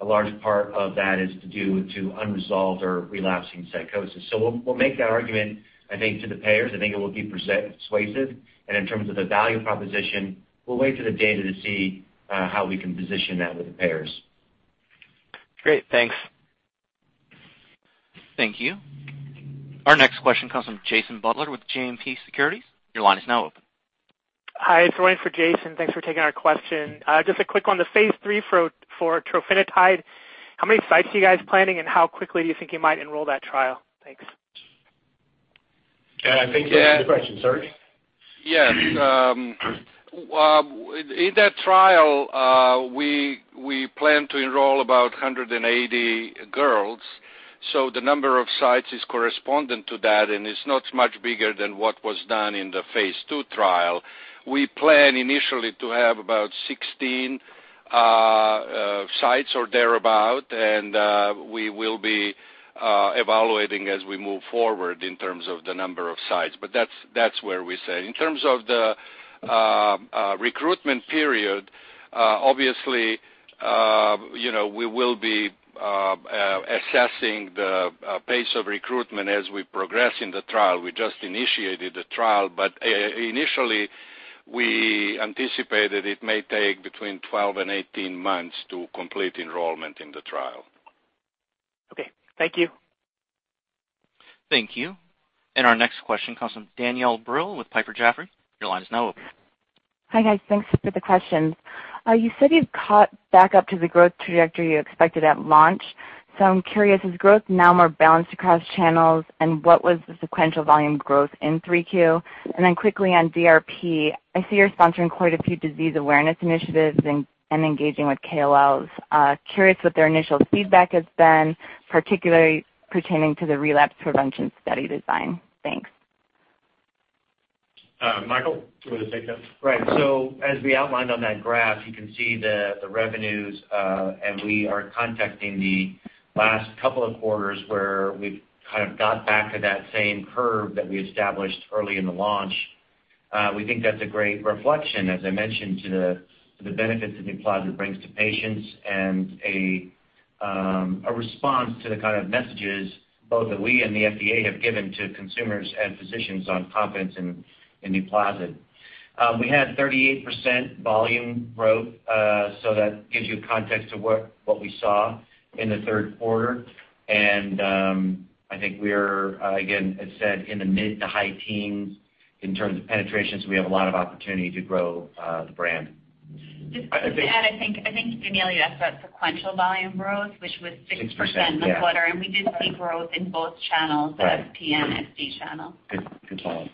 S4: a large part of that is to do with unresolved or relapsing psychosis. We'll make that argument, I think, to the payers. I think it will be persuasive. In terms of the value proposition, we'll wait for the data to see how we can position that with the payers.
S13: Great. Thanks.
S1: Thank you. Our next question comes from Jason Butler with JMP Securities. Your line is now open.
S14: Hi, it's Ryan for Jason. Thanks for taking our question. Just a quick on the phase III for trofinetide. How many sites are you guys planning, and how quickly do you think you might enroll that trial? Thanks.
S3: I think that's a question. Serge?
S5: Yes. In that trial, we plan to enroll about 180 girls. The number of sites is correspondent to that, and it's not much bigger than what was done in the phase II trial. We plan initially to have about 16 sites or thereabout, and we will be evaluating as we move forward in terms of the number of sites. That's where we say. In terms of the recruitment period, obviously, we will be assessing the pace of recruitment as we progress in the trial. We just initiated the trial. Initially, we anticipated it may take between 12 and 18 months to complete enrollment in the trial.
S14: Okay. Thank you.
S1: Thank you. Our next question comes from Danielle Brill with Piper Jaffray. Your line is now open.
S15: Hi, guys. Thanks for the questions. You said you've caught back up to the growth trajectory you expected at launch. I'm curious, is growth now more balanced across channels, and what was the sequential volume growth in 3Q? Quickly on DRP, I see you're sponsoring quite a few disease awareness initiatives and engaging with KOLs. Curious what their initial feedback has been, particularly pertaining to the relapse prevention study design. Thanks.
S3: Michael, do you want to take that?
S4: Right. As we outlined on that graph, you can see the revenues, and we are contacting the last couple of quarters where we've kind of got back to that same curve that we established early in the launch. We think that's a great reflection, as I mentioned, to the benefits that NUPLAZID brings to patients and a response to the kind of messages both that we and the FDA have given to consumers and physicians on confidence in NUPLAZID. We had 38% volume growth, that gives you context to what we saw in the third quarter. I think we're, again, as said, in the mid to high teens in terms of penetration, we have a lot of opportunity to grow the brand.
S6: I think- Just to add, I think, Danielle, you asked about sequential volume growth, which was 6% quarter-on-quarter. 6%, yeah. We did see growth in both channels, SP and SD channel.
S5: Good follow-up.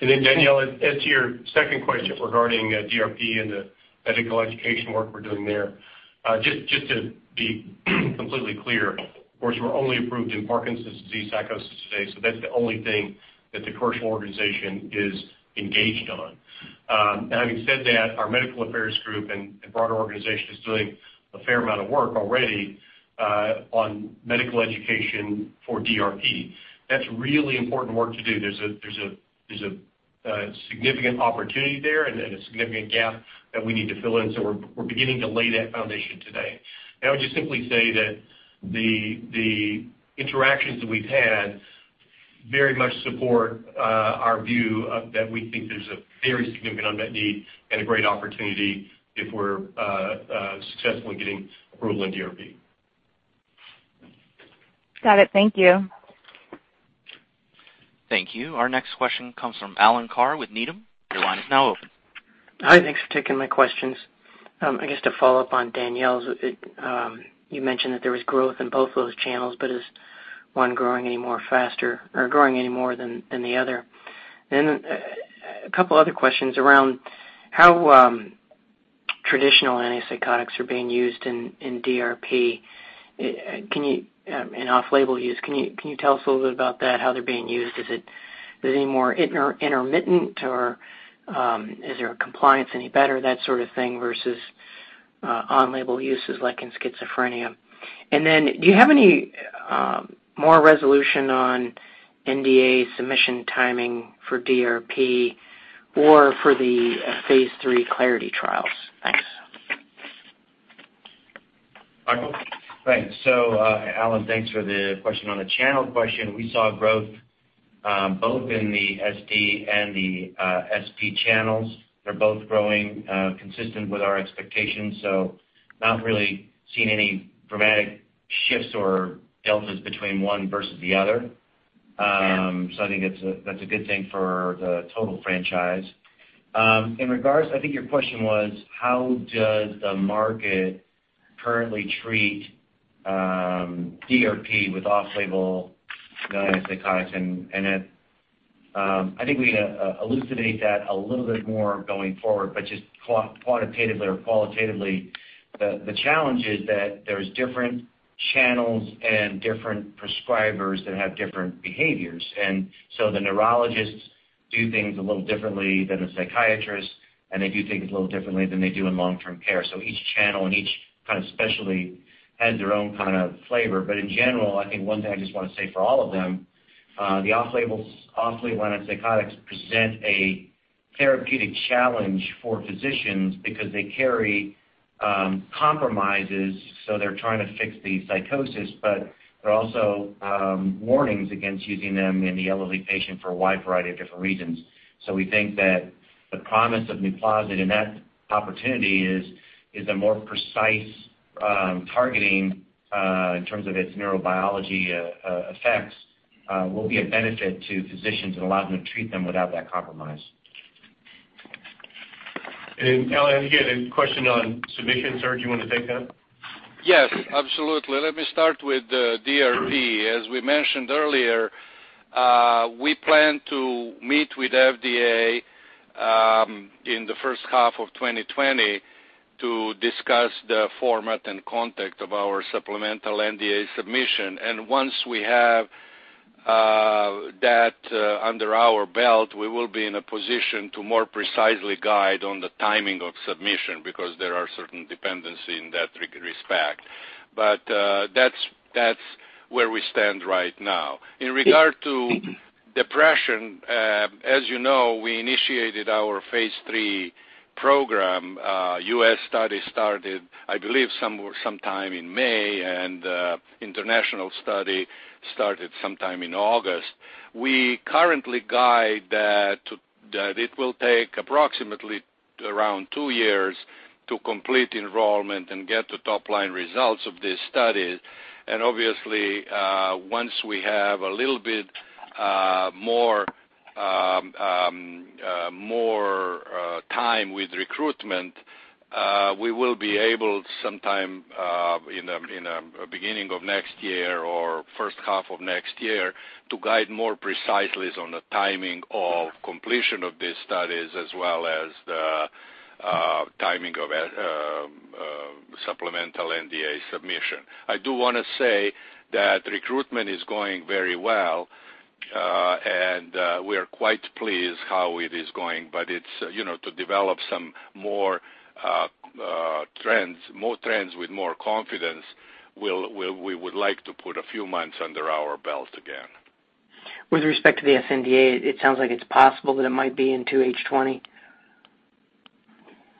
S3: Danielle, as to your second question regarding DRP and the medical education work we're doing there, just to be completely clear, of course, we're only approved in Parkinson's disease psychosis today, so that's the only thing that the commercial organization is engaged on. Having said that, our medical affairs group and broader organization is doing a fair amount of work already on medical education for DRP. That's really important work to do. There's a significant opportunity there and a significant gap that we need to fill in. We're beginning to lay that foundation today. I'll just simply say that the interactions that we've had very much support our view that we think there's a very significant unmet need and a great opportunity if we're successfully getting approval in DRP.
S15: Got it. Thank you.
S1: Thank you. Our next question comes from Alan Carr with Needham. Your line is now open.
S16: Hi, thanks for taking my questions. I guess to follow up on Danielle's, you mentioned that there was growth in both of those channels, is one growing any more faster or growing any more than the other? A couple other questions around how traditional antipsychotics are being used in DRP. In off-label use, can you tell us a little bit about that, how they're being used? Is it any more intermittent, or is their compliance any better, that sort of thing, versus on-label uses like in schizophrenia? Do you have any more resolution on NDA submission timing for DRP or for the phase III CLARITY trials? Thanks.
S3: Michael?
S4: Thanks. Alan, thanks for the question. On the channel question, we saw growth both in the SD and the SP channels. They're both growing consistent with our expectations. Not really seeing any dramatic shifts or deltas between one versus the other.
S16: Okay.
S5: I think that's a good thing for the total franchise.
S4: I think your question was how does the market currently treat DRP with off-label antipsychotics? I think we elucidate that a little bit more going forward, but just quantitatively or qualitatively, the challenge is that there's different channels and different prescribers that have different behaviors. The neurologists do things a little differently than a psychiatrist, and they do things a little differently than they do in long-term care. Each channel and each kind of specialty has their own kind of flavor. In general, I think one thing I just want to say for all of them, the off-label antipsychotics present a therapeutic challenge for physicians because they carry compromises. They're trying to fix the psychosis, but there are also warnings against using them in the elderly patient for a wide variety of different reasons. We think that the promise of NUPLAZID and that opportunity is a more precise targeting, in terms of its neurobiology effects, will be a benefit to physicians and allow them to treat them without that compromise.
S3: Alan, again, question on submissions. Serge, do you want to take that?
S5: Yes, absolutely. Let me start with the DRP. As we mentioned earlier, we plan to meet with FDA in the first half of 2020 to discuss the format and content of our supplemental NDA submission. Once we have that under our belt, we will be in a position to more precisely guide on the timing of submission because there are certain dependencies in that respect. That's where we stand right now. In regard to depression, as you know, we initiated our phase III program. U.S. study started, I believe, sometime in May, and international study started sometime in August. We currently guide that it will take approximately around two years to complete enrollment and get the top-line results of these studies. Obviously, once we have a little bit more time with recruitment, we will be able sometime in beginning of next year or first half of next year to guide more precisely on the timing of completion of these studies as well as the timing of supplemental NDA submission. I do want to say that recruitment is going very well, and we are quite pleased how it is going. To develop some more trends with more confidence, we would like to put a few months under our belt again.
S16: With respect to the sNDA, it sounds like it's possible that it might be into H2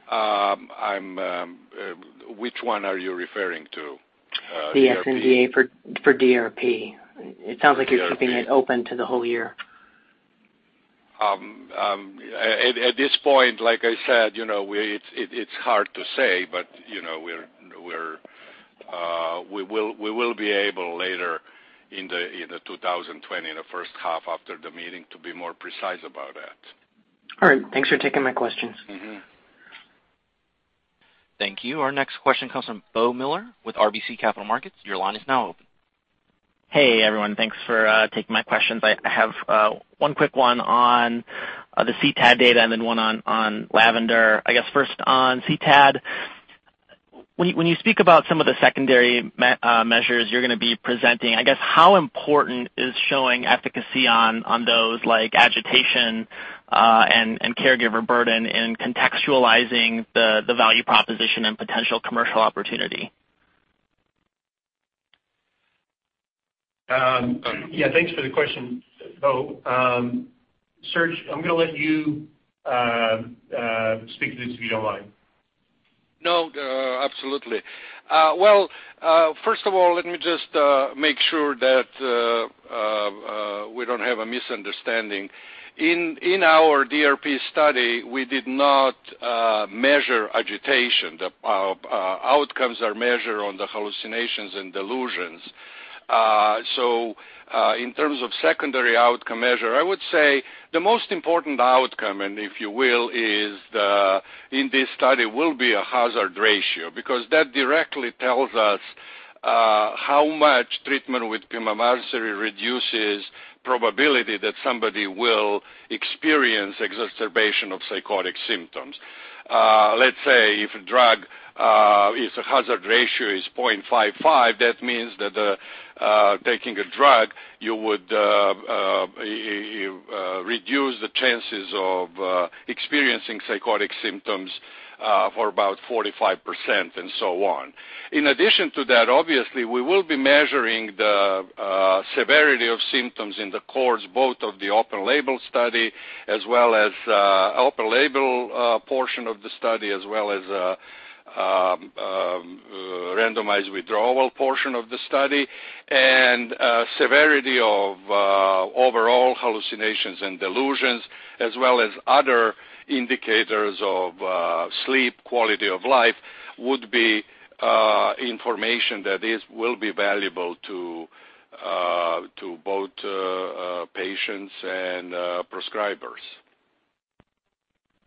S16: 2020.
S5: Which one are you referring to? DRP.
S16: The sNDA for DRP. It sounds like you're keeping it open to the whole year.
S5: At this point, like I said, it's hard to say, but we will be able later in 2020, in the first half after the meeting, to be more precise about that.
S16: All right. Thanks for taking my questions.
S1: Thank you. Our next question comes from Beau Miller with RBC Capital Markets. Your line is now open.
S17: Hey, everyone. Thanks for taking my questions. I have one quick one on the CTAD data and then one on LAVENDER. I guess first on CTAD. When you speak about some of the secondary measures you're going to be presenting, I guess how important is showing efficacy on those like agitation and caregiver burden in contextualizing the value proposition and potential commercial opportunity?
S3: Thanks for the question. Bo. Serge, I'm going to let you speak to this, if you don't mind.
S5: No, absolutely. Well, first of all, let me just make sure that we don't have a misunderstanding. In our DRP study, we did not measure agitation. The outcomes are measured on the hallucinations and delusions. In terms of secondary outcome measure, I would say the most important outcome and if you will, is in this study will be a hazard ratio. Because that directly tells us how much treatment with pimavanserin reduces probability that somebody will experience exacerbation of psychotic symptoms. Let's say if a drug is a hazard ratio is 0.55, that means that taking a drug, you reduce the chances of experiencing psychotic symptoms for about 45% and so on. In addition to that, obviously, we will be measuring the severity of symptoms in the course both of the open label study as well as open label portion of the study, as well as randomized withdrawal portion of the study. Severity of overall hallucinations and delusions, as well as other indicators of sleep, quality of life, would be information that will be valuable to both patients and prescribers.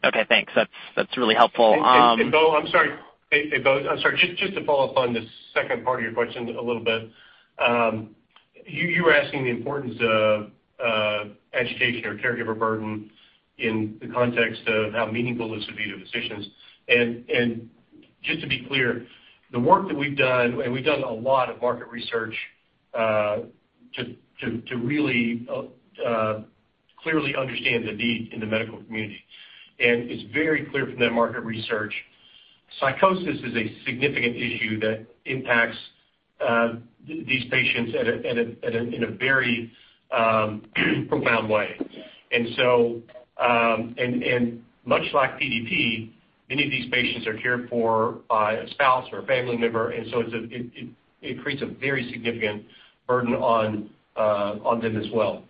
S17: Okay, thanks. That's really helpful.
S3: Bo, I'm sorry. Just to follow up on the second part of your question a little bit. You were asking the importance of agitation or caregiver burden in the context of how meaningful this would be to physicians. Just to be clear, the work that we've done, and we've done a lot of market research to really clearly understand the need in the medical community. It's very clear from that market research, psychosis is a significant issue that impacts these patients in a very profound way. Much like PDP, many of these patients are cared for by a spouse or a family member, and so it creates a very significant burden on them as well.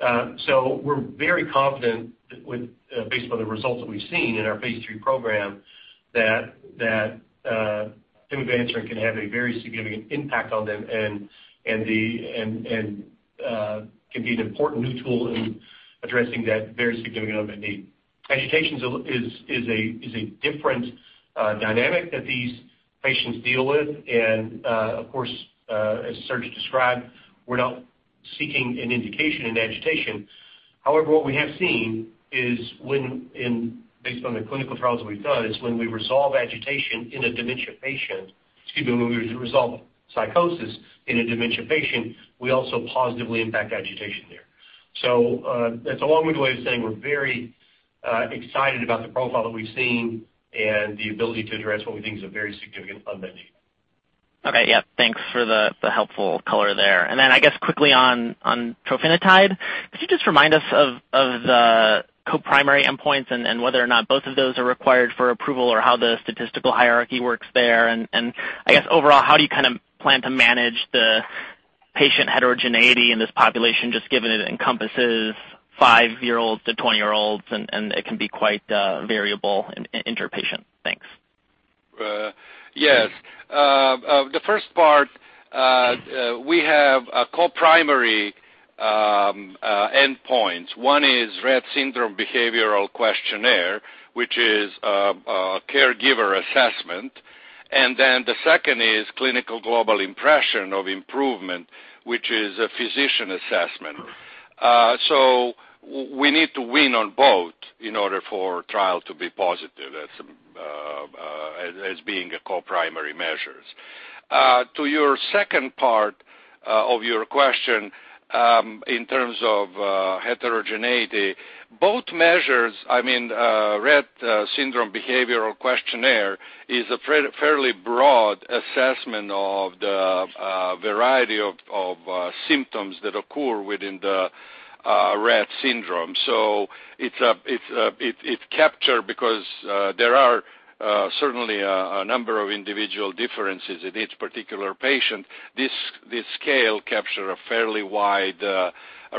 S3: We're very confident based upon the results that we've seen in our phase III program, that pimavanserin can have a very significant impact on them and can be an important new tool in addressing that very significant unmet need. Agitation is a different dynamic that these patients deal with. Of course, as Serge described, we're not seeking an indication in agitation. However, what we have seen is based on the clinical trials that we've done, is when we resolve psychosis in a dementia patient, we also positively impact agitation there. That's a long-winded way of saying we're very excited about the profile that we've seen and the ability to address what we think is a very significant unmet need.
S17: Okay. Yeah. Thanks for the helpful color there. I guess quickly on trofinetide, could you just remind us of the co-primary endpoints and whether or not both of those are required for approval or how the statistical hierarchy works there? I guess overall, how do you plan to manage the patient heterogeneity in this population, just given it encompasses five-year-olds to 20-year-olds and it can be quite variable inter-patient? Thanks.
S5: Yes. The first part, we have co-primary endpoints. One is Rett Syndrome Behaviour Questionnaire, which is a caregiver assessment. Then the second is Clinical Global Impression of Improvement, which is a physician assessment. We need to win on both in order for trial to be positive as being co-primary measures. To your second part of your question in terms of heterogeneity, both measures, Rett Syndrome Behaviour Questionnaire is a fairly broad assessment of the variety of symptoms that occur within the Rett syndrome. It capture because there are certainly a number of individual differences in each particular patient. This scale capture a fairly wide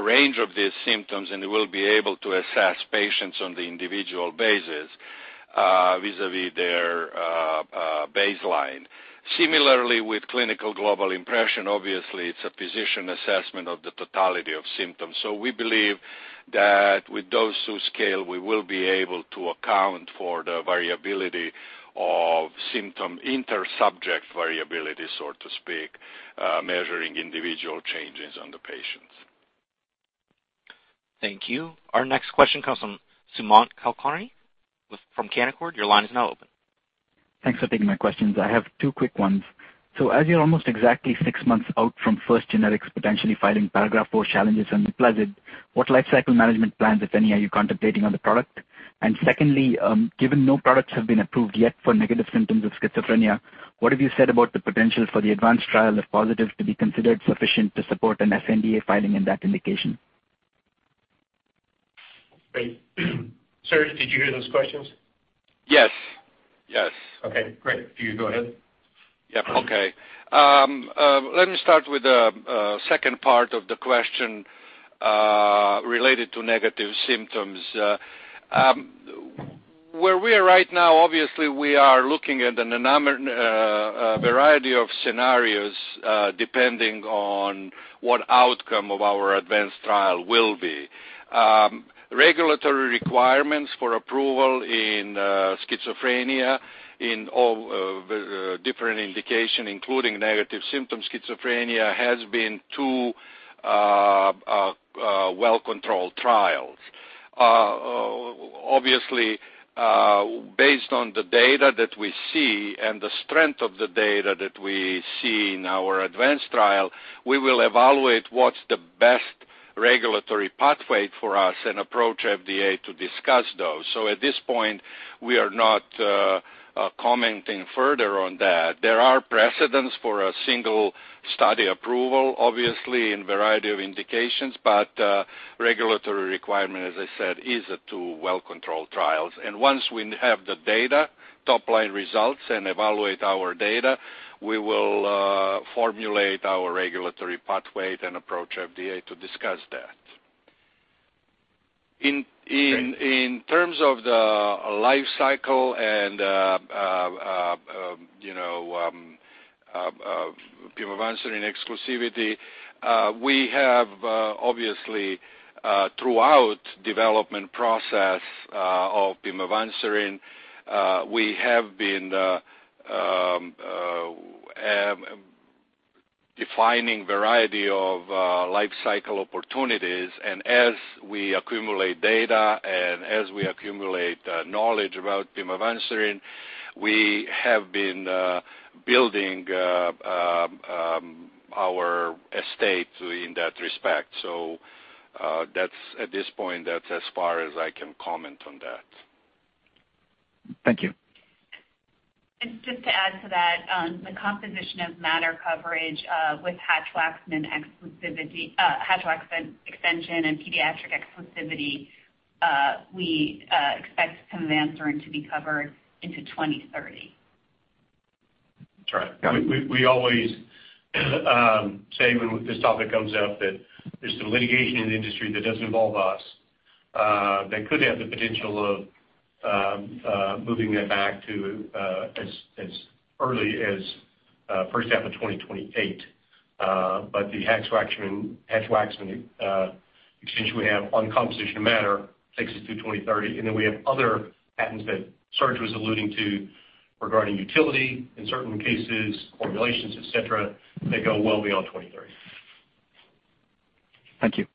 S5: range of these symptoms and will be able to assess patients on the individual basis vis-a-vis their baseline. Similarly, with Clinical Global Impression, obviously it's a physician assessment of the totality of symptoms. We believe that with those two scales, we will be able to account for the variability of symptom inter-subject variability, so to speak, measuring individual changes on the patients.
S1: Thank you. Our next question comes from Sumant Kulkarni from Canaccord. Your line is now open.
S18: Thanks for taking my questions. I have two quick ones. As you're almost exactly six months out from first genetics potentially filing paragraph four challenges on the label, what lifecycle management plans, if any, are you contemplating on the product? Secondly, given no products have been approved yet for negative symptoms of schizophrenia, what have you said about the potential for the ADVANCE trial of positives to be considered sufficient to support an sNDA filing in that indication?
S3: Great. Serge, did you hear those questions?
S5: Yes.
S3: Okay, great. You go ahead.
S5: Yeah. Okay. Let me start with the second part of the question, related to negative symptoms. Where we are right now, obviously, we are looking at a variety of scenarios, depending on what outcome of our ADVANCE trial will be. Regulatory requirements for approval in schizophrenia in all different indication, including negative symptom schizophrenia, has been two well-controlled trials. Obviously, based on the data that we see and the strength of the data that we see in our ADVANCE trial, we will evaluate what's the best regulatory pathway for us and approach FDA to discuss those. At this point, we are not commenting further on that. There are precedents for a single study approval, obviously, in variety of indications, but regulatory requirement, as I said, is two well-controlled trials. Once we have the data, top-line results, and evaluate our data, we will formulate our regulatory pathway, then approach FDA to discuss that. In terms of the life cycle and pimavanserin exclusivity, we have obviously, throughout development process of pimavanserin, we have been defining variety of life cycle opportunities. As we accumulate data and as we accumulate knowledge about pimavanserin, we have been building our estate in that respect. At this point, that's as far as I can comment on that.
S18: Thank you.
S6: Just to add to that, the composition of matter coverage with Hatch-Waxman extension and pediatric exclusivity, we expect pimavanserin to be covered into 2030.
S3: That's right. We always say when this topic comes up that there's some litigation in the industry that doesn't involve us, that could have the potential of moving that back to as early as first half of 2028. The Hatch-Waxman extension we have on composition of matter takes us through 2030. We have other patents that Serge was alluding to regarding utility, in certain cases, formulations, et cetera, that go well beyond 2030.
S18: Thank you.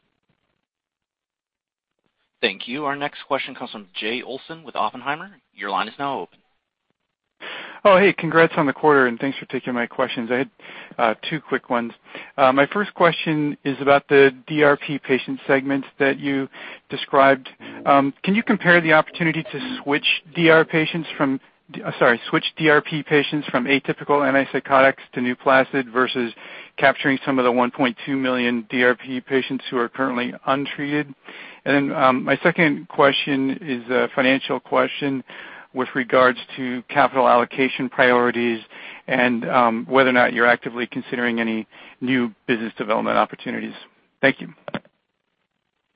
S1: Thank you. Our next question comes from Jay Olson with Oppenheimer. Your line is now open.
S19: Oh, hey, congrats on the quarter, and thanks for taking my questions. I had two quick ones. My first question is about the DRP patient segment that you described. Can you compare the opportunity to switch DRP patients from atypical antipsychotics to NUPLAZID versus capturing some of the 1.2 million DRP patients who are currently untreated? My second question is a financial question with regards to capital allocation priorities and whether or not you're actively considering any new business development opportunities. Thank you.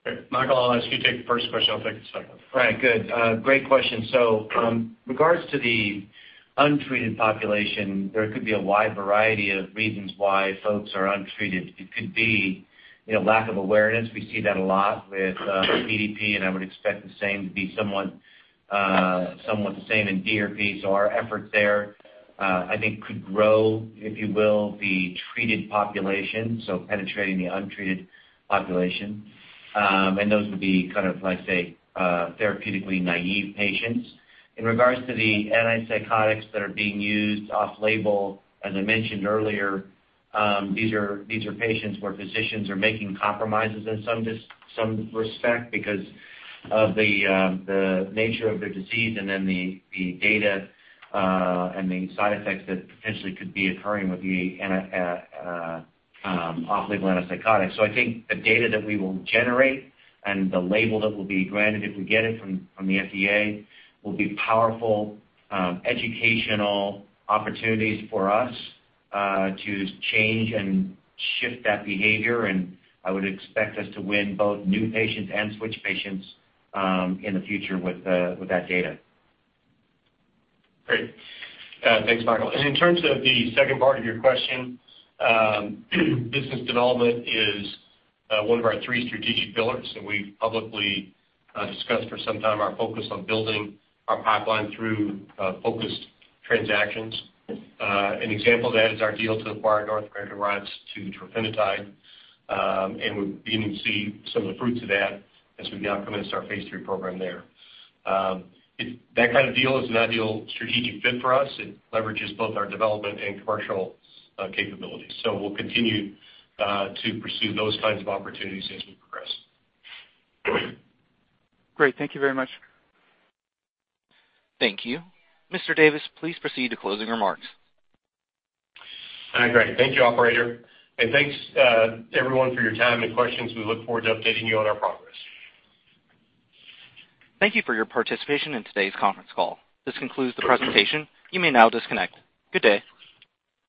S3: Okay, Michael, I'll ask you to take the first question. I'll take the second.
S4: Right. Good. Great question. Regards to the untreated population, there could be a wide variety of reasons why folks are untreated. It could be lack of awareness. We see that a lot with PDP, and I would expect the same to be somewhat the same in DRP. Our efforts there, I think could grow, if you will, the treated population, so penetrating the untreated population. Those would be kind of, I'd say, therapeutically naive patients. In regards to the antipsychotics that are being used off-label, as I mentioned earlier, these are patients where physicians are making compromises in some respect because of the nature of their disease and then the data and the side effects that potentially could be occurring with the off-label antipsychotic. I think the data that we will generate and the label that will be granted if we get it from the FDA, will be powerful educational opportunities for us to change and shift that behavior, and I would expect us to win both new patients and switch patients in the future with that data.
S3: Great. Thanks, Michael. In terms of the second part of your question, business development is one of our three strategic pillars that we've publicly discussed for some time, our focus on building our pipeline through focused transactions. An example of that is our deal to acquire North American rights to trofinetide, and we're beginning to see some of the fruits of that as we now commence our phase III program there. That kind of deal is an ideal strategic fit for us. It leverages both our development and commercial capabilities. We'll continue to pursue those kinds of opportunities as we progress.
S19: Great. Thank you very much.
S1: Thank you. Mr. Davis, please proceed to closing remarks.
S3: All right, great. Thank you, operator. Thanks everyone for your time and questions. We look forward to updating you on our progress.
S1: Thank you for your participation in today's conference call. This concludes the presentation. You may now disconnect. Good day.